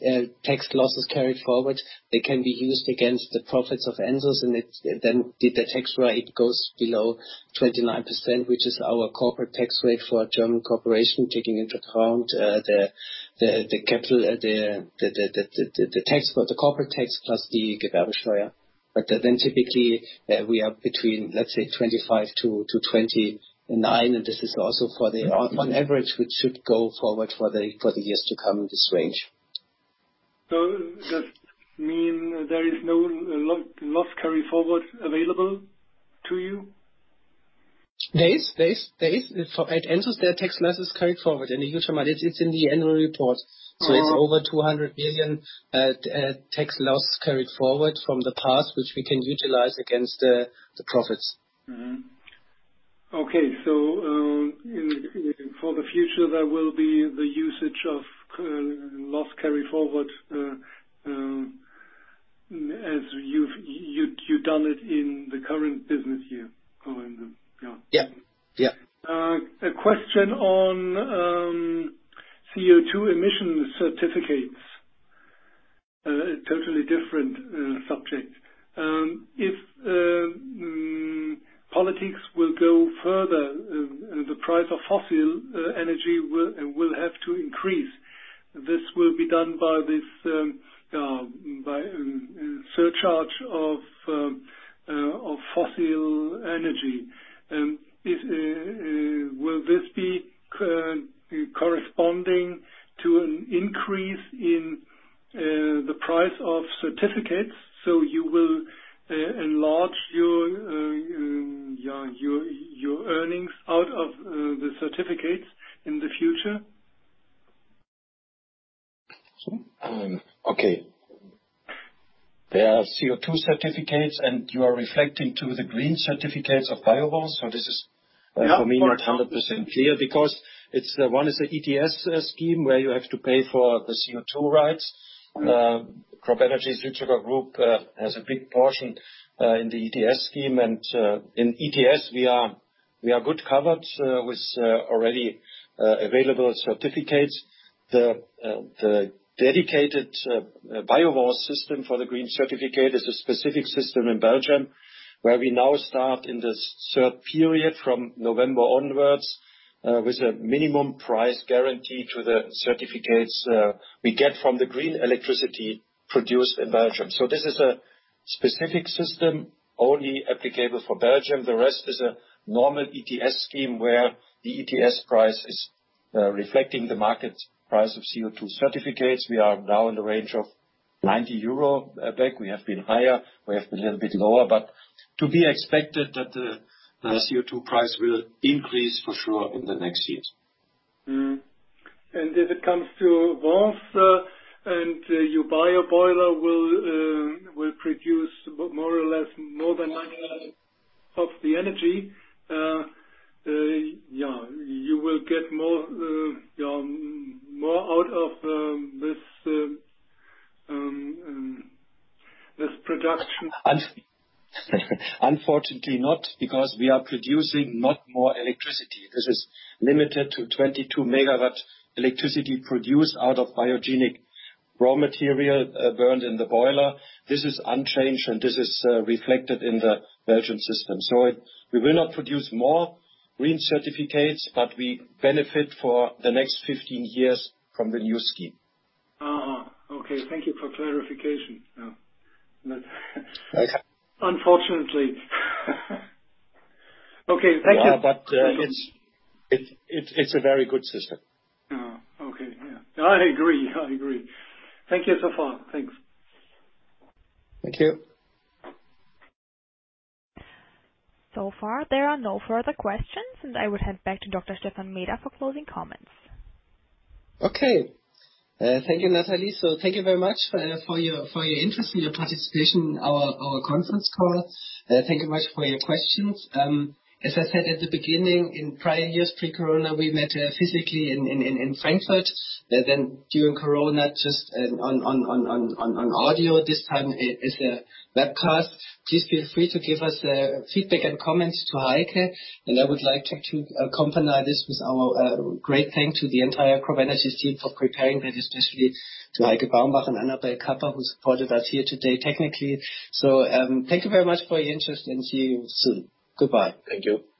tax losses carried forward, they can be used against the profits of Ensus and it then the tax rate goes below 29%, which is our corporate tax rate for a German corporation, taking into account the capital, the tax for the corporate tax plus the Typically, we are between, let's say, 25 to 29, and this is also for the on average, which should go forward for the years to come in this range. Does this mean there is no loss carry forward available to you? There is. For at Ensus there are tax losses carried forward in a huge amount. It's in the annual report. It's over 200 billion tax loss carried forward from the past, which we can utilize against the profits. Okay. For the future, there will be the usage of loss carry forward as you've done it in the current business year going on, yeah. Yeah. Yeah. A question on CO2 emission certificates. A totally different subject. If politics will go further and the price of fossil energy will have to increase, this will be done by this by surcharge of fossil energy. Will this be corresponding to an increase in the price of certificates? You will enlarge your earnings out of the certificates in the future? okay. There are CO2 certificates, and you are reflecting to the green certificates of Wanze. Yeah. for me not 100% clear because one is the ETS scheme where you have to pay for the CO2 rights. CropEnergies Südzucker Group has a big portion in the ETS scheme. In ETS we are good covered with already available certificates. The dedicated Wanze system for the green certificate is a specific system in Belgium, where we now start in this third period from November onwards with a minimum price guarantee to the certificates we get from the green electricity produced in Belgium. This is a specific system only applicable for Belgium. The rest is a normal ETS scheme where the ETS price is reflecting the market price of CO2 certificates. We are now in the range of 90 euro a bag. We have been higher, we have been a little bit lower, but to be expected that the CO2 price will increase for sure in the next years. If it comes to warmth, and your bio boiler will produce more or less more than 90 of the energy, yeah, you will get more out of this production. Unfortunately not, because we are producing not more electricity. This is limited to 22 megawatt electricity produced out of biogenic raw material, burned in the boiler. This is unchanged and this is reflected in the Belgium system. We will not produce more green certificates, but we benefit for the next 15 years from the new scheme. Okay. Thank you for clarification. Yeah. That unfortunately. Okay. Thank you. It's a very good system. Oh, okay. Yeah. I agree. I agree. Thank you so far. Thanks. Thank you. Far there are no further questions, and I would hand back to Dr. Stephan Meeder for closing comments. Okay. thank you, Natalie. Thank you very much for your, for your interest and your participation in our conference call. Thank you much for your questions. As I said at the beginning, in prior years pre-corona, we met physically in Frankfurt. Then during corona, just on audio. This time it is a webcast. Please feel free to give us feedback and comments to Heike. I would like to accompany this with our great thank to the entire CropEnergies team for preparing that, especially to Heike Baumbach and Annabel Kopp, who supported us here today technically. Thank you very much for your interest and see you soon. Goodbye. Thank you.